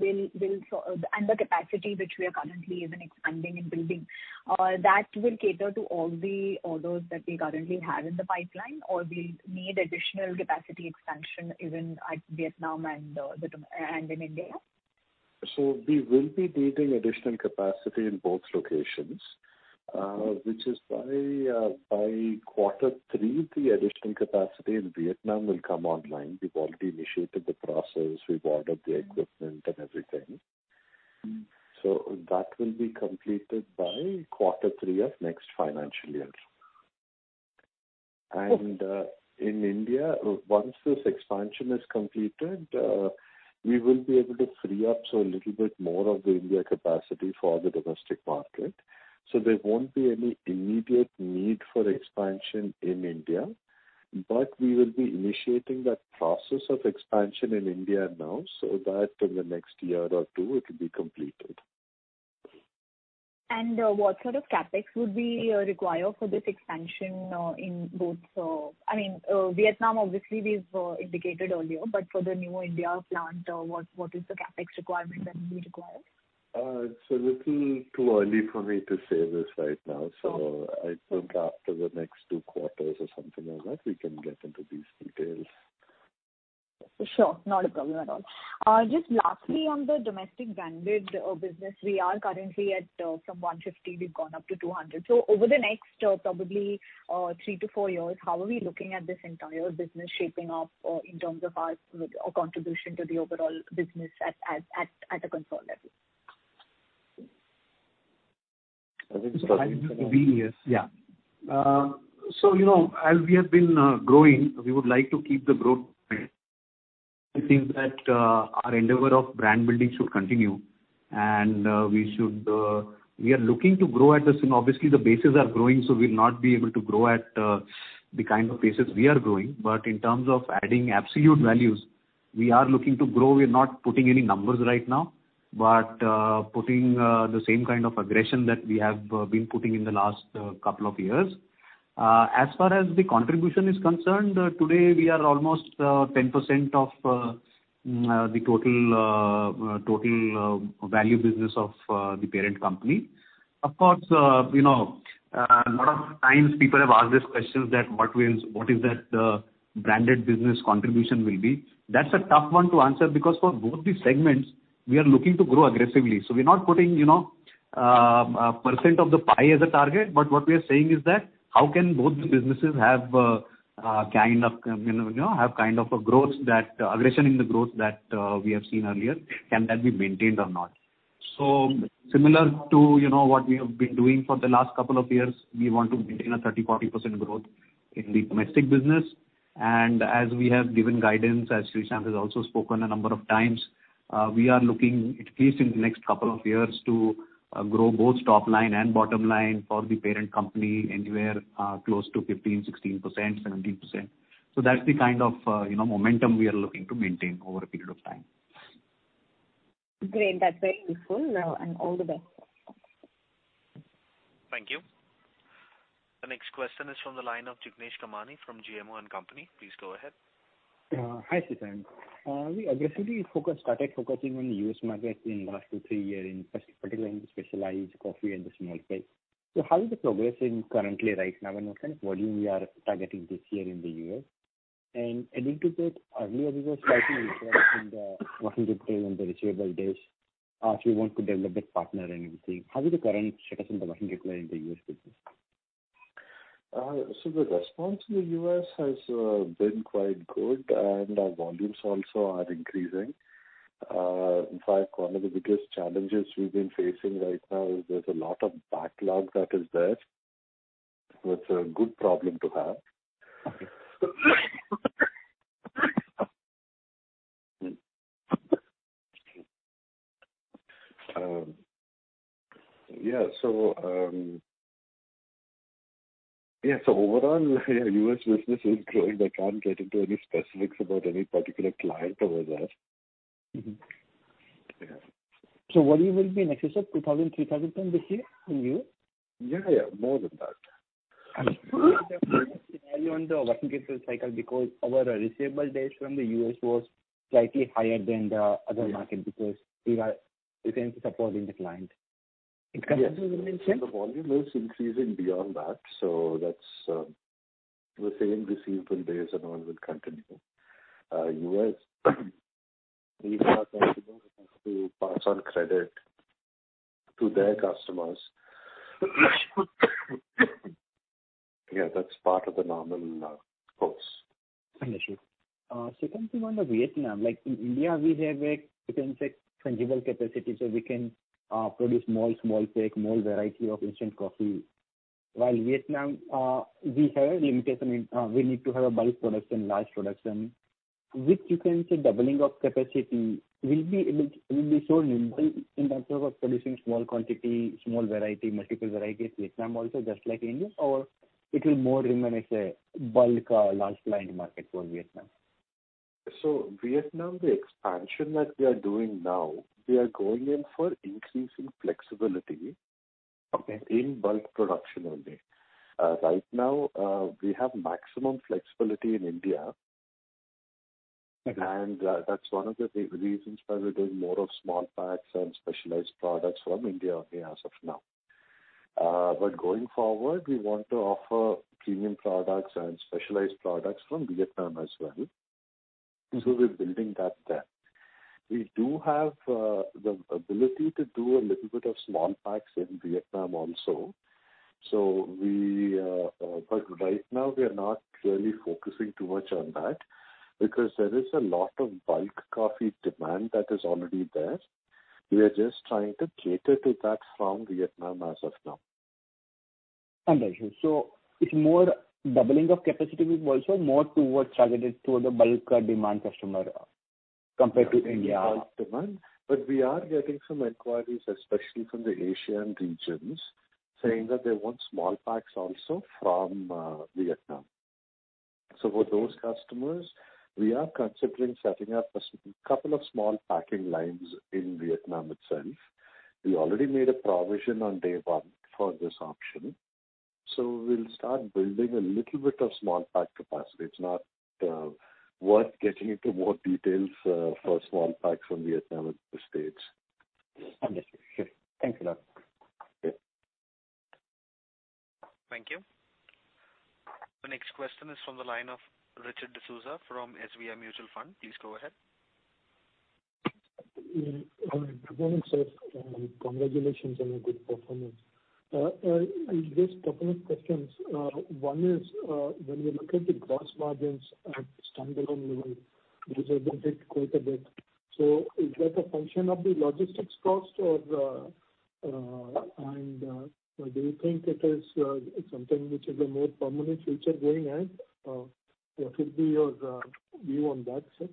the capacity which we are currently even expanding and building that will cater to all the orders that we currently have in the pipeline, or we'll need additional capacity expansion even at Vietnam and in India? We will be needing additional capacity in both locations, which is by quarter three, the additional capacity in Vietnam will come online. We've already initiated the process. We've ordered the equipment and everything. That will be completed by quarter three of next financial year. In India, once this expansion is completed, we will be able to free up a little bit more of the India capacity for the domestic market. There won't be any immediate need for expansion in India. We will be initiating that process of expansion in India now, so that in the next year or two it will be completed. What sort of CapEx would we require for this expansion in both? I mean, Vietnam obviously we've indicated earlier, but for the new India plant, what is the CapEx requirement that will be required? It's a little too early for me to say this right now. I think after the next two quarters or something like that, we can get into these details. Sure. Not a problem at all. Just lastly, on the domestic branded business, we are currently at from 150, we've gone up to 200. Over the next probably three-four years, how are we looking at this entire business shaping up in terms of our contribution to the overall business at a consolidated level? [CROSSTALK] Yes. So you know, as we have been growing, we would like to keep the growth going. I think that our endeavor of brand building should continue and we should— We are looking to grow at this, and obviously the bases are growing, so we'll not be able to grow at the kind of paces we are growing. In terms of adding absolute values, we are looking to grow. We're not putting any numbers right now. Putting the same kind of aggression that we have been putting in the last couple of years. As far as the contribution is concerned, today we are almost 10% of the total value business of the parent company. Of course, you know, a lot of times people have asked these questions that what is that branded business contribution will be. That's a tough one to answer because for both these segments we are looking to grow aggressively. We're not putting a percent of the pie as a target, but what we are saying is that how can both the businesses have a kind of aggressive growth that we have seen earlier, can that be maintained or not? Similar to what we have been doing for the last couple of years, we want to maintain a 30%, 40% growth in the domestic business. As we have given guidance, as Srishant has also spoken a number of times, we are looking at least in the next couple of years to grow both top line and bottom line for the parent company anywhere close to 15%, 16%, 17%. That's the kind of, you know, momentum we are looking to maintain over a period of time. Great. That's very useful. All the best. Thank you. The next question is from the line of Jignesh Kamani from GMO & Co. Please go ahead. Hi, Srishant. We aggressively focusing on U.S. market in the last two, three years, in particular in the specialty coffee and the small packs. How is it progressing currently right now, and what kind of volume you are targeting this year in the U.S.? Adding to that, earlier we were slightly interested in the working capital and the receivable days. If you want to develop with partner and everything, how is the current status on the working capital in the U.S. business? The response in the U.S. has been quite good, and our volumes also are increasing. In fact, one of the biggest challenges we've been facing right now is there's a lot of backlog that is there. That's a good problem to have. Overall U.S. business is growing. I can't get into any specifics about any particular client over there. Volume will be in excess of 2,000, 3,000 tons this year in the U.S.? Yeah, yeah, more than that. The value on the working capital cycle because our receivable days from the U.S. was slightly higher than the other market because we are supporting the client. Yes. It continues to remain same? The volume is increasing beyond that, so that's the same receivable days and all will continue. U.S. [AUDIO DISTORTION] pass on credit to their customers. Yeah, that's part of the normal course. Understood. Secondly on the Vietnam, like in India, we have a, you can say tangible capacity, so we can produce more small pack, more variety of instant coffee. While Vietnam, we have a limitation in, we need to have a bulk production, large production. With, you can say doubling of capacity, we'll be so nimble in terms of producing small quantity, small variety, multiple varieties, Vietnam also just like India or it will more remain as a bulk, large client market for Vietnam? Vietnam, the expansion that we are doing now, we are going in for increasing flexibility in bulk production only. Right now, we have maximum flexibility in India. That's one of the big reasons why we're doing more of small packs and specialized products from India only as of now. Going forward, we want to offer premium products and specialized products from Vietnam as well. We're building that there. We do have the ability to do a little bit of small packs in Vietnam also. Right now we are not really focusing too much on that because there is a lot of bulk coffee demand that is already there. We are just trying to cater to that from Vietnam as of now. Understood. It's more doubling of capacity with also more towards targeted toward the bulk demand customer compared to India. Bulk demand. We are getting some inquiries, especially from the Asian regions, saying that they want small packs also from Vietnam. For those customers, we are considering setting up a couple of small packing lines in Vietnam itself. We already made a provision on day one for this option. We'll start building a little bit of small pack capacity. It's not worth getting into more details for small packs from Vietnam at this stage. Understood. Okay. Thank you, sir. Okay. Thank you. The next question is from the line of Richard D'Souza from SBI Mutual Fund. Please go ahead. Good morning, sir. Congratulations on a good performance. Just couple of questions. One is, when we look at the gross margins at standalone level, these have been hit quite a bit. Is that a function of the logistics cost or do you think it is something which is a more permanent feature going ahead? What would be your view on that, sir?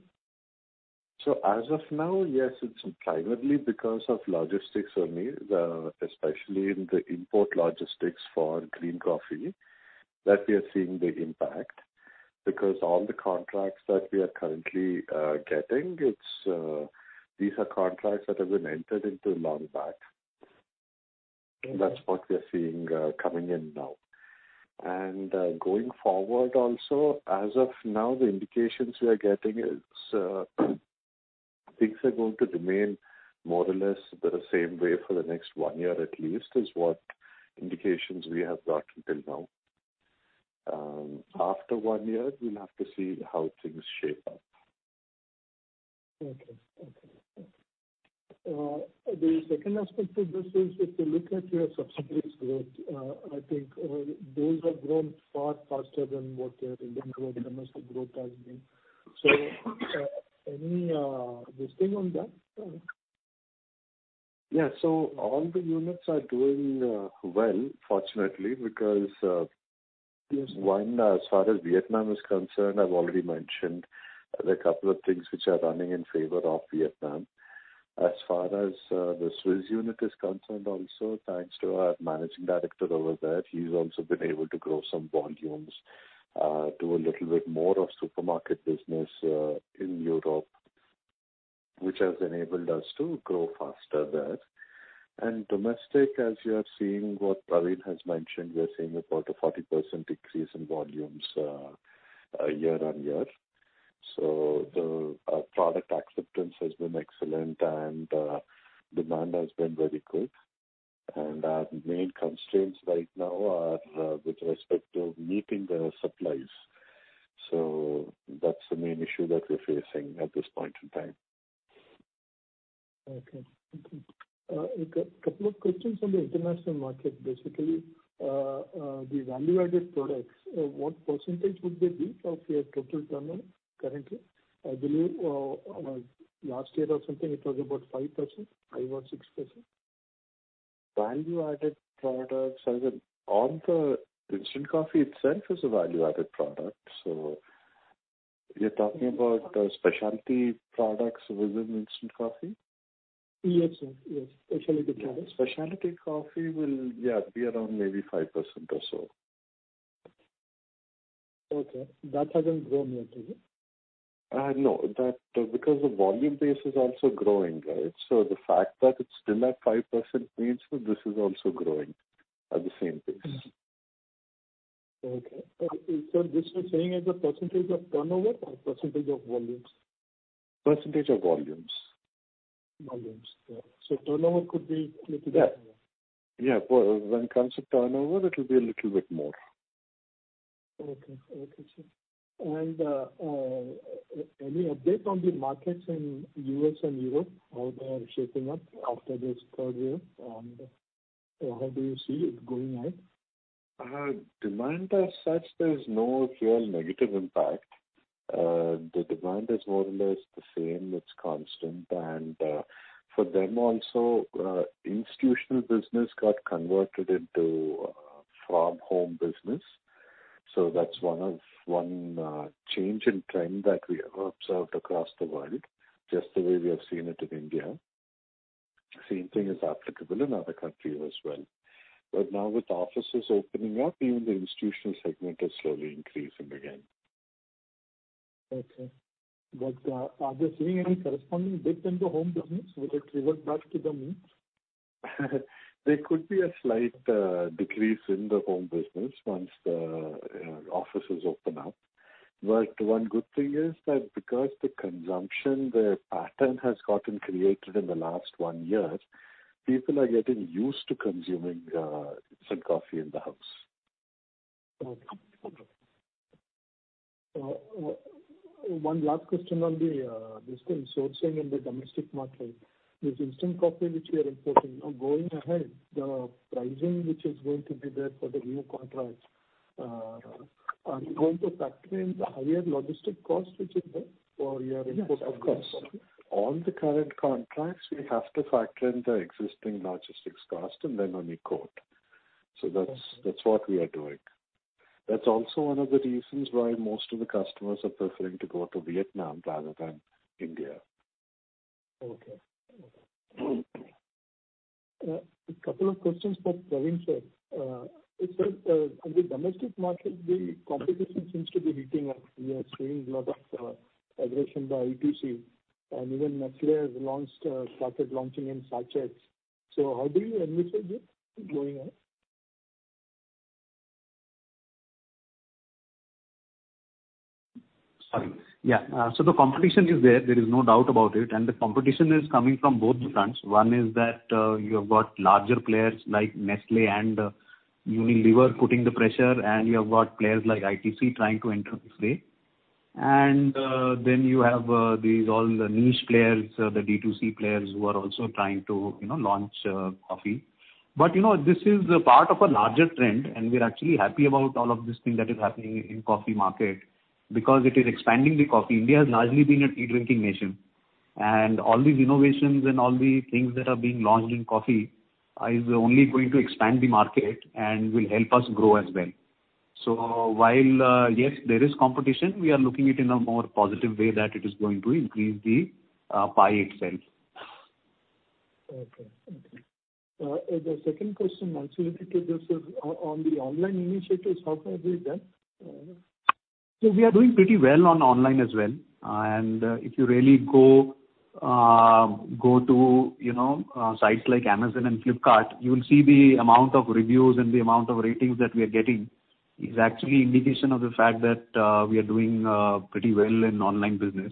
As of now, yes, it's primarily because of logistics only, especially in the import logistics for green coffee that we are seeing the impact. Because all the contracts that we are currently getting, these are contracts that have been entered into long back. That's what we are seeing coming in now. Going forward also, as of now, the indications we are getting is things are going to remain more or less the same way for the next one year at least, is what indications we have got until now. After one year we'll have to see how things shape up. Okay. The second aspect to this is if you look at your subsidiaries growth, I think those have grown far faster than what your Indian or domestic growth has been. Any insight on that? Yeah. All the units are doing well, fortunately, because, one, as far as Vietnam is concerned, I've already mentioned there are a couple of things which are running in favor of Vietnam. As far as the Swiss unit is concerned also, thanks to our managing director over there, he's also been able to grow some volumes, do a little bit more of supermarket business in Europe, which has enabled us to grow faster there. Domestic, as you are seeing what Praveen has mentioned, we are seeing about a 40% increase in volumes year-on-year. The product acceptance has been excellent and demand has been very good. Our main constraints right now are with respect to meeting the supplies. That's the main issue that we're facing at this point in time. Okay. A couple of questions on the international market. Basically, the value-added products, what percentage would they be of your total turnover currently? I believe, last year or something it was about 5%, 5% or 6%? Value-added products. I mean, on the instant coffee itself is a value-added product. You're talking about specialty products within instant coffee? Yes, sir. Yes. Specialty products. Specialty coffee will, yeah, be around maybe 5% or so. Okay. That hasn't grown yet, is it? No. Because the volume base is also growing, right? The fact that it's still at 5% means that this is also growing at the same pace. Okay. This you're saying as a percentage of turnover or percentage of volumes? Percentage of volumes. Volumes. Turnover could be little bit more. Yeah. When it comes to turnover, it will be a little bit more. Okay, sir. Any update on the markets in the U.S. and Europe, how they are shaping up after this third wave and how do you see it going ahead? Demand as such, there's no real negative impact. The demand is more or less the same. It's constant. For them also, institutional business got converted into from home business. That's one change in trend that we have observed across the world, just the way we have seen it in India. Same thing is applicable in other countries as well. Now with offices opening up, even the institutional segment is slowly increasing again. Okay. Are they seeing any corresponding dip in the home business? Will it revert back to the means? There could be a slight decrease in the home business once the offices open up. One good thing is that because the consumption, the pattern has gotten created in the last one year, people are getting used to consuming instant coffee in the house. Okay. One last question on the, this thing, sourcing in the domestic market. This instant coffee which we are importing, now going ahead, the pricing which is going to be there for the new contracts, are you going to factor in the higher logistics costs which is there for your import of coffee? Yes, of course. All the current contracts, we have to factor in the existing logistics cost and then only quote. That's what we are doing. That's also one of the reasons why most of the customers are preferring to go to Vietnam rather than India. Okay. A couple of questions for Praveen, sir. In the domestic market, the competition seems to be heating up. We are seeing a lot of aggression by ITC, and even Nestlé has started launching in sachets. How do you envisage it going ahead? Sorry. Yeah. The competition is there. There is no doubt about it. The competition is coming from both the fronts. One is that, you have got larger players like Nestlé and Unilever putting the pressure, and you have got players like ITC trying to enter this space. Then you have these all the niche players, the D2C players who are also trying to, you know, launch coffee. You know, this is a part of a larger trend, and we're actually happy about all of this thing that is happening in coffee market because it is expanding the coffee. India has largely been a tea-drinking nation. All these innovations and all the things that are being launched in coffee is only going to expand the market and will help us grow as well. While yes, there is competition, we are looking at it in a more positive way that it is going to increase the pie itself. Okay, the second question also related to this is on the online initiatives, how far have you done? We are doing pretty well on online as well. If you really go to, you know, sites like Amazon and Flipkart, you will see the amount of reviews and the amount of ratings that we are getting is actually indication of the fact that we are doing pretty well in online business.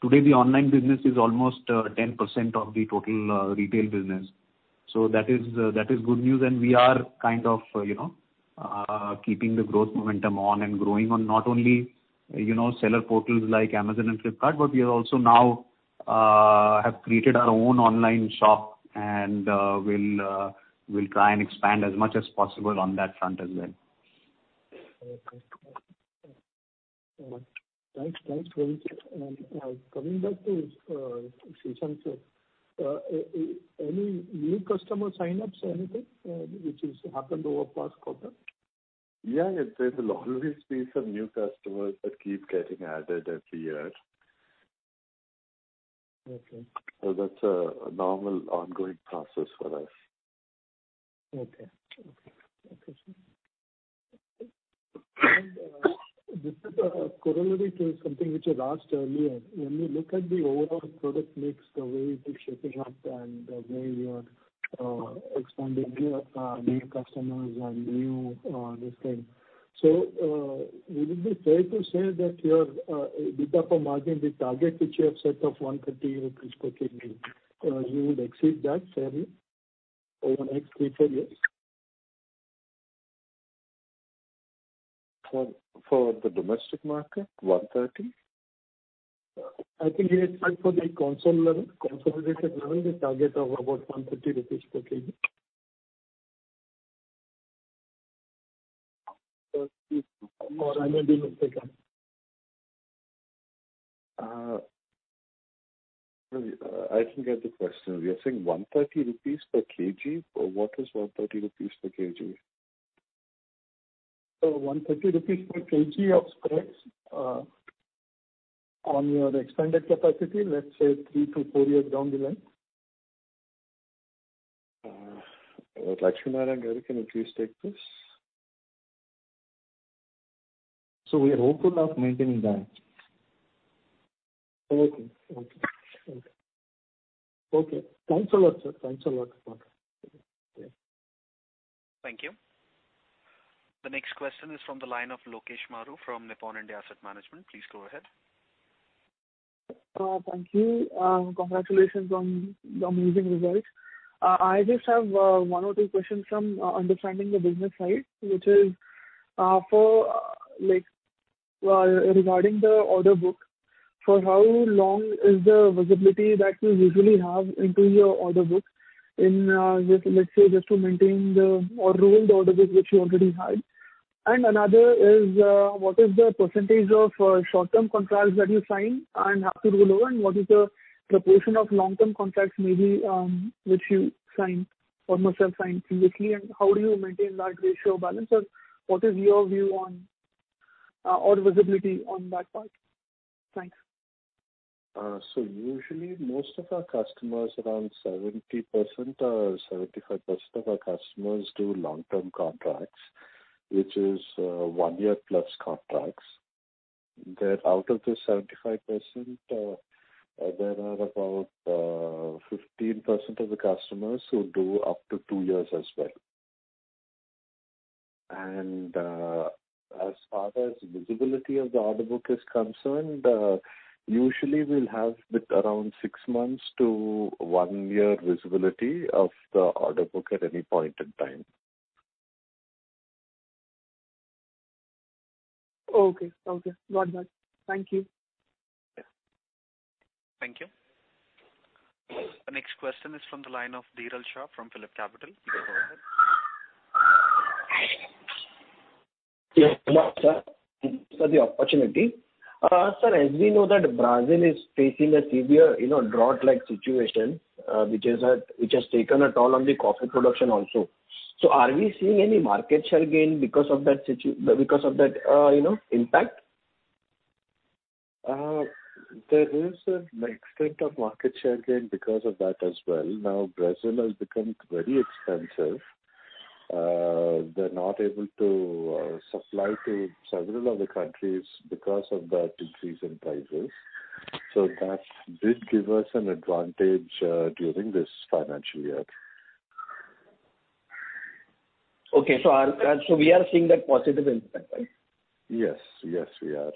Today, the online business is almost 10% of the total retail business. That is good news. We are kind of, you know, keeping the growth momentum on and growing on not only, you know, seller portals like Amazon and Flipkart, but we are also now have created our own online shop and we'll try and expand as much as possible on that front as well. Okay. Thanks, Praveen. Coming back to Srishant, sir. Any new customer signups or anything which has happened over past quarter? Yeah. There'll always be some new customers that keep getting added every year. Okay. That's a normal ongoing process for us. Okay. This is a corollary to something which I asked earlier. When you look at the overall product mix, the way your mix shifted up and the way you are expanding your new customers and new things, would it be fair to say that your EBITDA margin, the target which you have set of 130 rupees per piece per kg, you would exceed that fairly over the next three, four years? For the domestic market, 130? I think here it's like for the consolidated level, the target of about 130 rupees per kg? Or I may be mistaken. Sorry. I didn't get the question. You're saying 130 rupees per piece per kg? What is 130 rupees per piece per kg? 130 rupees per kg of spreads on your expanded capacity, let's say thee-four years down the line. Lakshmi Narayana Garu, can you please take this? We are hopeful of maintaining that. Okay. Thanks a lot, sir. Okay. Thank you. The next question is from the line of Lokesh Maru from Nippon India Asset Management. Please go ahead. Thank you. Congratulations on the amazing results. I just have one or two questions from understanding the business side, which is, for like, regarding the order book. For how long is the visibility that you usually have into your order book, let's say, just to maintain or roll the order book which you already had. Another is, what is the percentage of short-term contracts that you sign and have to roll over? What is the proportion of long-term contracts maybe, which you sign or must have signed previously? How do you maintain that ratio balance? Or what is your view on visibility on that part? Thanks. Usually most of our customers, around 70% or 75% of our customers do long-term contracts, which is one-year-plus contracts. Out of the 75%, there are about 15% of the customers who do up to two years as well. As far as visibility of the order book is concerned, usually we'll have around six months to one year visibility of the order book at any point in time. Okay. Got that. Thank you. Yeah. Thank you. The next question is from the line of Dhiral Shah from PhillipCapital. Please go ahead. Good morning, sir. Thanks for the opportunity. Sir, as we know that Brazil is facing a severe, you know, drought-like situation, which has taken a toll on the coffee production also. Are we seeing any market share gain because of that, you know, impact? There is an extent of market share gain because of that as well. Now Brazil has become very expensive. They're not able to supply to several other countries because of that increase in prices. That did give us an advantage during this financial year. Okay. We are seeing that positive impact, right? Yes. Yes, we are.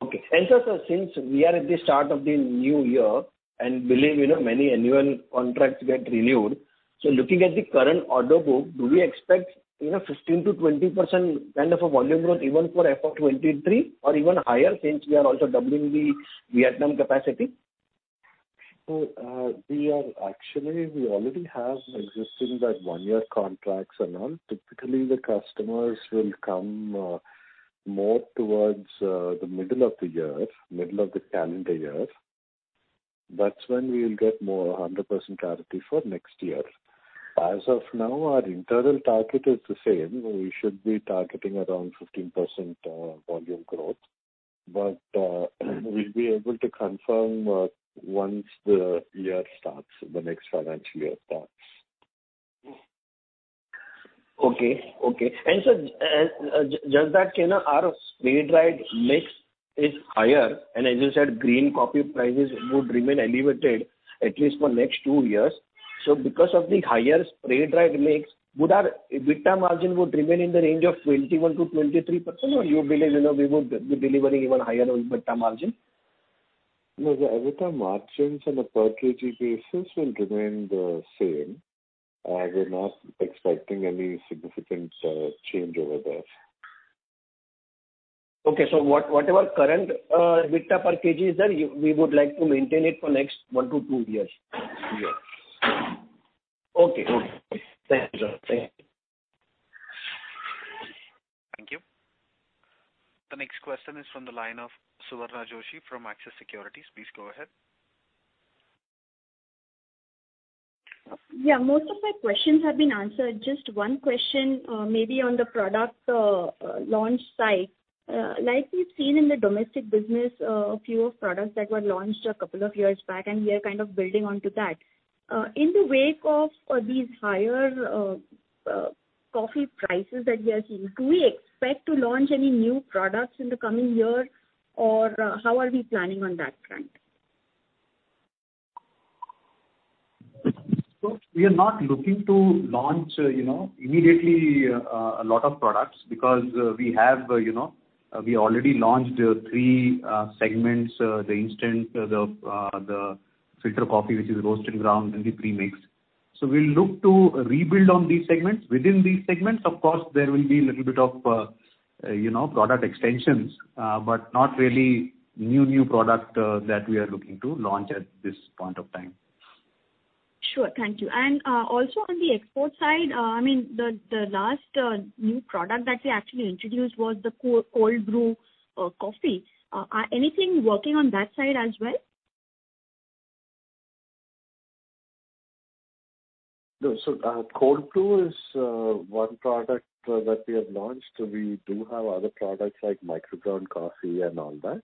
Okay, sir, since we are at the start of the new year and believe, you know, many annual contracts get renewed, so looking at the current order book, do we expect, you know, 15%-20% kind of a volume growth even for FY 2023 or even higher since we are also doubling the Vietnam capacity? We are actually, we already have existing that one-year contracts and all. Typically, the customers will come more towards the middle of the year, middle of the calendar year. That's when we will get more 100% clarity for next year. As of now, our internal target is the same. We should be targeting around 15% volume growth. We'll be able to confirm once the year starts, the next financial year starts. Okay. Just that, you know, our spray-dried mix is higher, and as you said, green coffee prices would remain elevated at least for next two years. Because of the higher spray-dried mix, would our EBITDA margin remain in the range of 21%-23%, or you believe, you know, we would be delivering even higher on EBITDA margin? No, the EBITDA margins on a per-kg basis will remain the same. We're not expecting any significant change over there. Whatever current EBITDA per kg is there, we would like to maintain it for next one to two years. Yes. Okay. Thanks, sir. Thank you. Thank you. The next question is from the line of Suvarna Joshi from Axis Securities. Please go ahead. Yeah, most of my questions have been answered. Just one question, maybe on the product launch side. Like we've seen in the domestic business, a few products that were launched a couple of years back, and we are kind of building onto that. In the wake of these higher coffee prices that we are seeing, do we expect to launch any new products in the coming year, or how are we planning on that front? We are not looking to launch, you know, immediately, a lot of products because we have, you know, we already launched three segments, the instant, the filter coffee, which is roasted ground, and the premix. We'll look to rebuild on these segments. Within these segments, of course, there will be little bit of, you know, product extensions, but not really new product that we are looking to launch at this point of time. Sure. Thank you. Also on the export side, I mean, the last new product that we actually introduced was the cold brew coffee. Anything working on that side as well? No, cold brew is one product that we have launched. We do have other products like microground coffee and all that.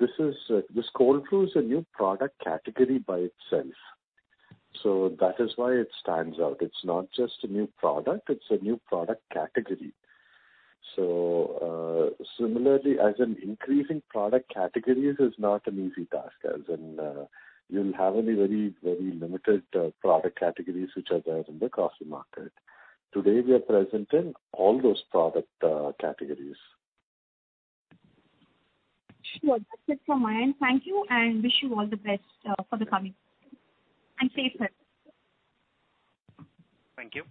This cold brew is a new product category by itself, so that is why it stands out. It's not just a new product, it's a new product category. Similarly, as in increasing product categories is not an easy task, as in, you'll have only very, very limited product categories which are there in the coffee market. Today, we are present in all those product categories. Sure. That's it from my end. Thank you, and wish you all the best for the coming years. Stay safe. Thank you.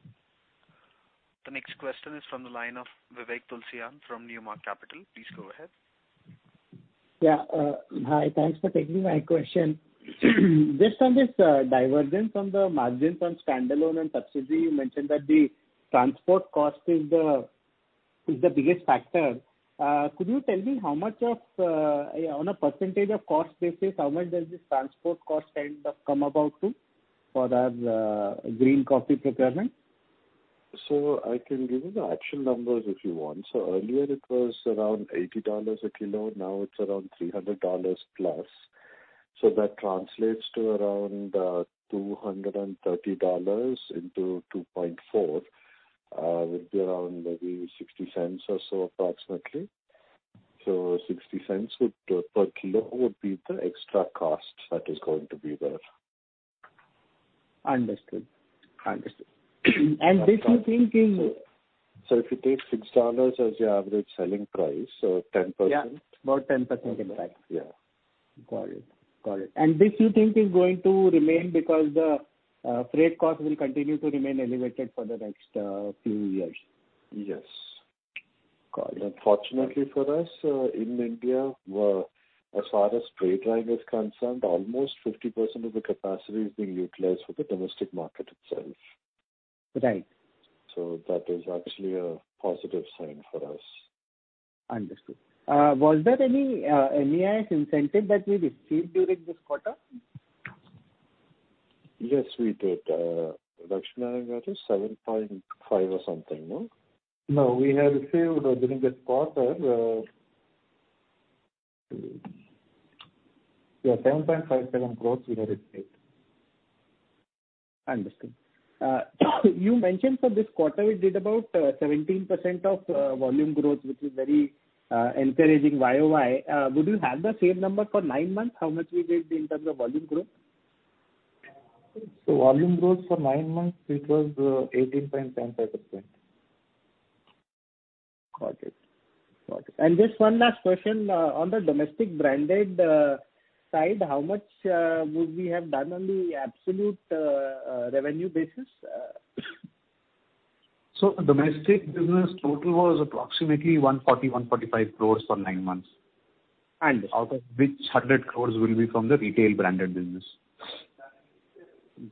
The next question is from the line of Vivek Tulshyan from Newmark Capital. Please go ahead. Yeah. Hi. Thanks for taking my question. Just on this divergence on the margins on standalone and subsidiary, you mentioned that the transport cost is the biggest factor. Could you tell me how much of, on a percentage of cost basis, how much does this transport cost kind of come about to for our green coffee procurement? I can give you the actual numbers if you want. Earlier it was around $80 a kilo, now it's around $300+. That translates to around $230 into 2.4 will be around maybe $0.60 or so approximately. $0.60 per kilo would be the extra cost that is going to be there. Understood. This you think is— If you take $6 as your average selling price, so 10%. Yeah. About 10% impact. Yeah. Got it. This you think is going to remain because the freight cost will continue to remain elevated for the next few years? Yes. Got it. Unfortunately for us, in India, as far as trade line is concerned, almost 50% of the capacity is being utilized for the domestic market itself. Right. That is actually a positive sign for us. Understood. Was there any MEIS incentive that we received during this quarter? Yes, we did. Lakshmi Narayana, that is 7.5 or something, no? No. We have received during this quarter, 10.57 crore we have received. Understood. You mentioned for this quarter we did about 17% of volume growth, which is very encouraging YoY. Would you have the same number for nine months? How much we did in terms of volume growth? Volume growth for nine months, it was [18.105]%. Got it. Just one last question on the domestic branded side, how much would we have done on the absolute revenue basis? Domestic business total was approximately 140 crore, 145 crore for nine months. Understood. Out of which 100 crores will be from the retail branded business.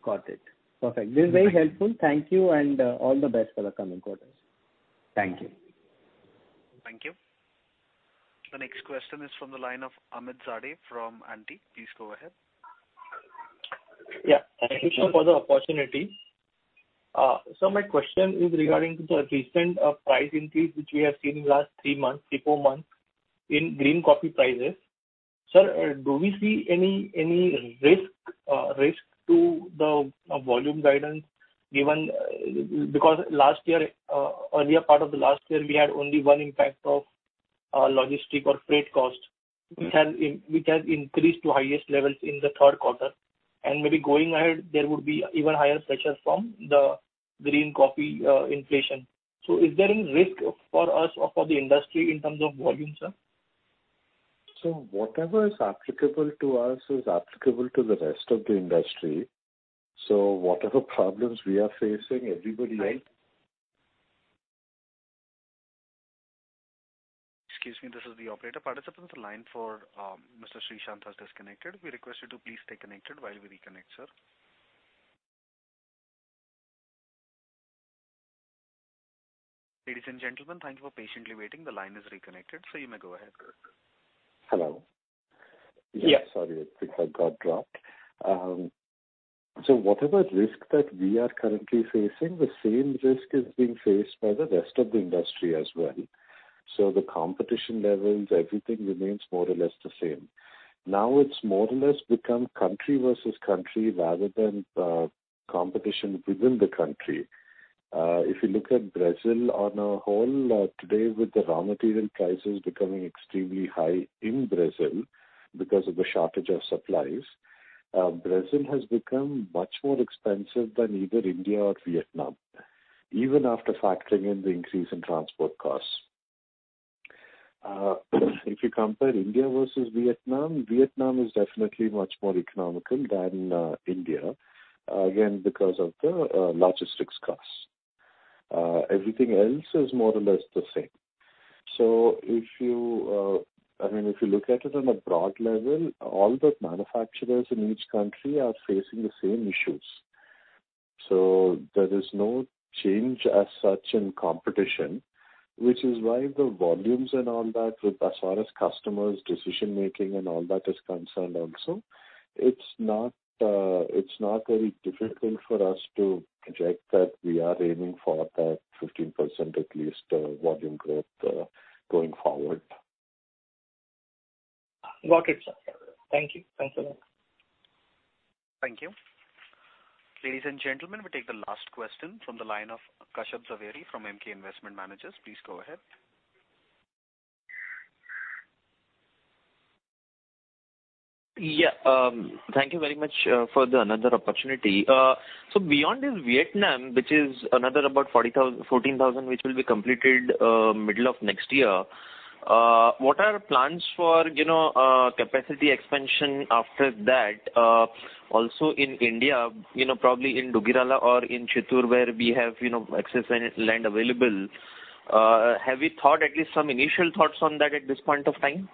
Got it. Perfect. This is very helpful. Thank you, and all the best for the coming quarters. Thank you. Thank you. The next question is from the line of Amit Zade from Antique. Please go ahead. Thank you for the opportunity. My question is regarding the recent price increase which we have seen in the last three, four months in green coffee prices. Sir, do we see any risk to the volume guidance given, because last year, earlier part of the last year we had only one impact of logistic or freight costs which has increased to highest levels in the third quarter? Maybe going ahead, there would be even higher pressure from the green coffee inflation. Is there any risk for us or for the industry in terms of volume, sir? Whatever is applicable to us is applicable to the rest of the industry. Whatever problems we are facing, everybody, right? Right. Excuse me. This is the operator. Participant on the line for Mr. Srishant has disconnected. We request you to please stay connected while we reconnect, sir. Ladies and gentlemen, thank you for patiently waiting. The line is reconnected, so you may go ahead, sir. Hello. Yeah. Sorry. I think I got dropped. Whatever risk that we are currently facing, the same risk is being faced by the rest of the industry as well. The competition levels, everything remains more or less the same. Now, it's more or less become country versus country rather than competition within the country. If you look at Brazil as a whole, today with the raw material prices becoming extremely high in Brazil because of the shortage of supplies, Brazil has become much more expensive than either India or Vietnam, even after factoring in the increase in transport costs. If you compare India versus Vietnam is definitely much more economical than India, again because of the logistics costs. Everything else is more or less the same. If you, I mean, if you look at it on a broad level, all the manufacturers in each country are facing the same issues. There is no change as such in competition, which is why the volumes and all that with as far as customers' decision-making and all that is concerned also. It's not very difficult for us to project that we are aiming for that 15% at least volume growth going forward. Got it, sir. Thank you. Thanks a lot. Thank you. Ladies and gentlemen, we'll take the last question from the line of Kashyap Javeri from Emkay Investment Managers. Please go ahead. Thank you very much for another opportunity. Beyond this Vietnam, which is another about 14,000 which will be completed middle of next year, what are plans for, you know, capacity expansion after that, also in India, you know, probably in Duggirala or in Chittoor where we have, you know, excess land available. Have you thought at least some initial thoughts on that at this point of time?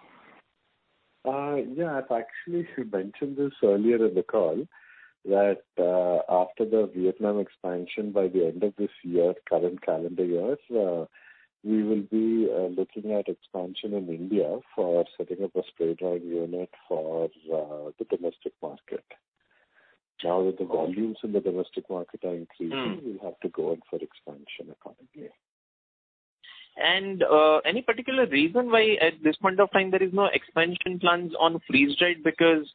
I've actually mentioned this earlier in the call that after the Vietnam expansion, by the end of this current calendar year, we will be looking at expansion in India for setting up a spray-drying unit for the domestic market. Now that the volumes in the domestic market are increasing, we'll have to go in for expansion accordingly. Any particular reason why at this point of time there is no expansion plans on freeze-dried? Because,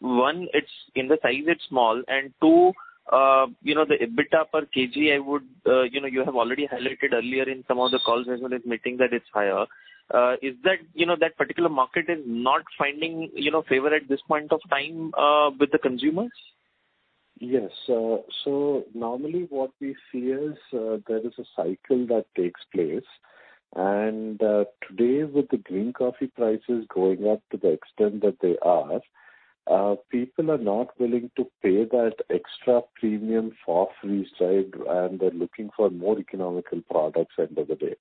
one, it's, in the size it's small, and two, you know, the EBITDA per kg I would, you know, you have already highlighted earlier in some of the calls as well admitting that it's higher. Is that, you know, that particular market is not finding, you know, favor at this point of time, with the consumers? Yes. Normally what we see is, there is a cycle that takes place. Today with the green coffee prices going up to the extent that they are, people are not willing to pay that extra premium for freeze-dried, and they're looking for more economical products end of the day.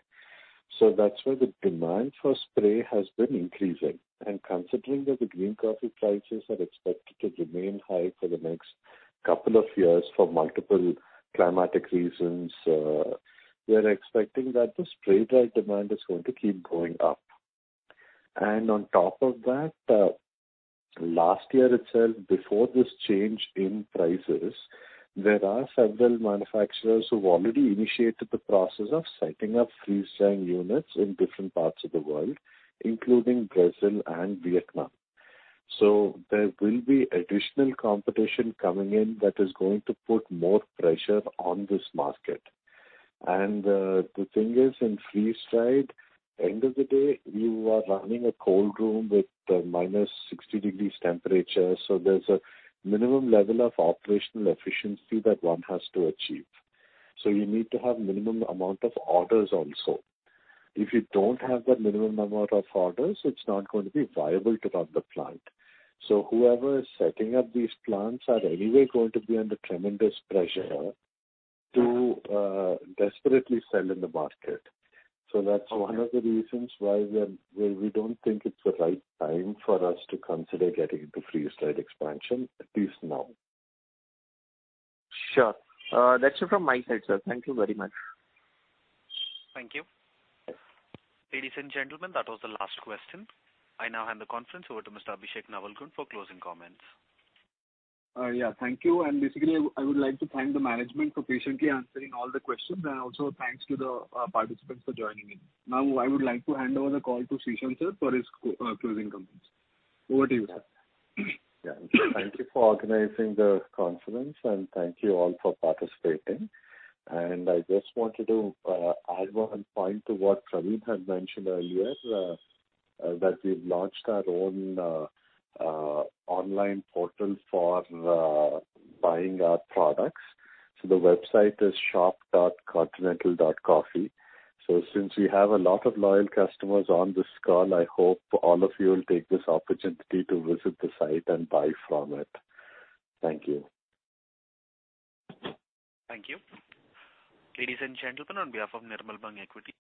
That's why the demand for spray has been increasing. Considering that the green coffee prices are expected to remain high for the next couple of years for multiple climatic reasons, we are expecting that the spray dried demand is going to keep going up. On top of that, last year itself, before this change in prices, there are several manufacturers who've already initiated the process of setting up freeze-drying units in different parts of the world, including Brazil and Vietnam. There will be additional competition coming in that is going to put more pressure on this market. The thing is in freeze-dried, end of the day you are running a cold room with -60 degrees temperature, so there's a minimum level of operational efficiency that one has to achieve. You need to have minimum amount of orders also. If you don't have that minimum amount of orders, it's not going to be viable to run the plant. Whoever is setting up these plants are anyway going to be under tremendous pressure to desperately sell in the market. That's one of the reasons why we don't think it's the right time for us to consider getting into freeze-dried expansion, at least now. Sure. That's it from my side, sir. Thank you very much. Thank you. Ladies and gentlemen, that was the last question. I now hand the conference over to Mr. Abhishek Navalgund for closing comments. Yeah. Thank you. Basically I would like to thank the management for patiently answering all the questions. Also thanks to the participants for joining in. Now, I would like to hand over the call to Srishant, sir, for his closing comments. Over to you, sir. Yeah. Thank you for organizing the conference, and thank you all for participating. I just wanted to add one point to what Praveen had mentioned earlier, that we've launched our own online portal for buying our products. The website is shop.continental.coffee. Since we have a lot of loyal customers on this call, I hope all of you will take this opportunity to visit the site and buy from it. Thank you. Thank you. Ladies and gentlemen, on behalf of Nirmal Bang Equities—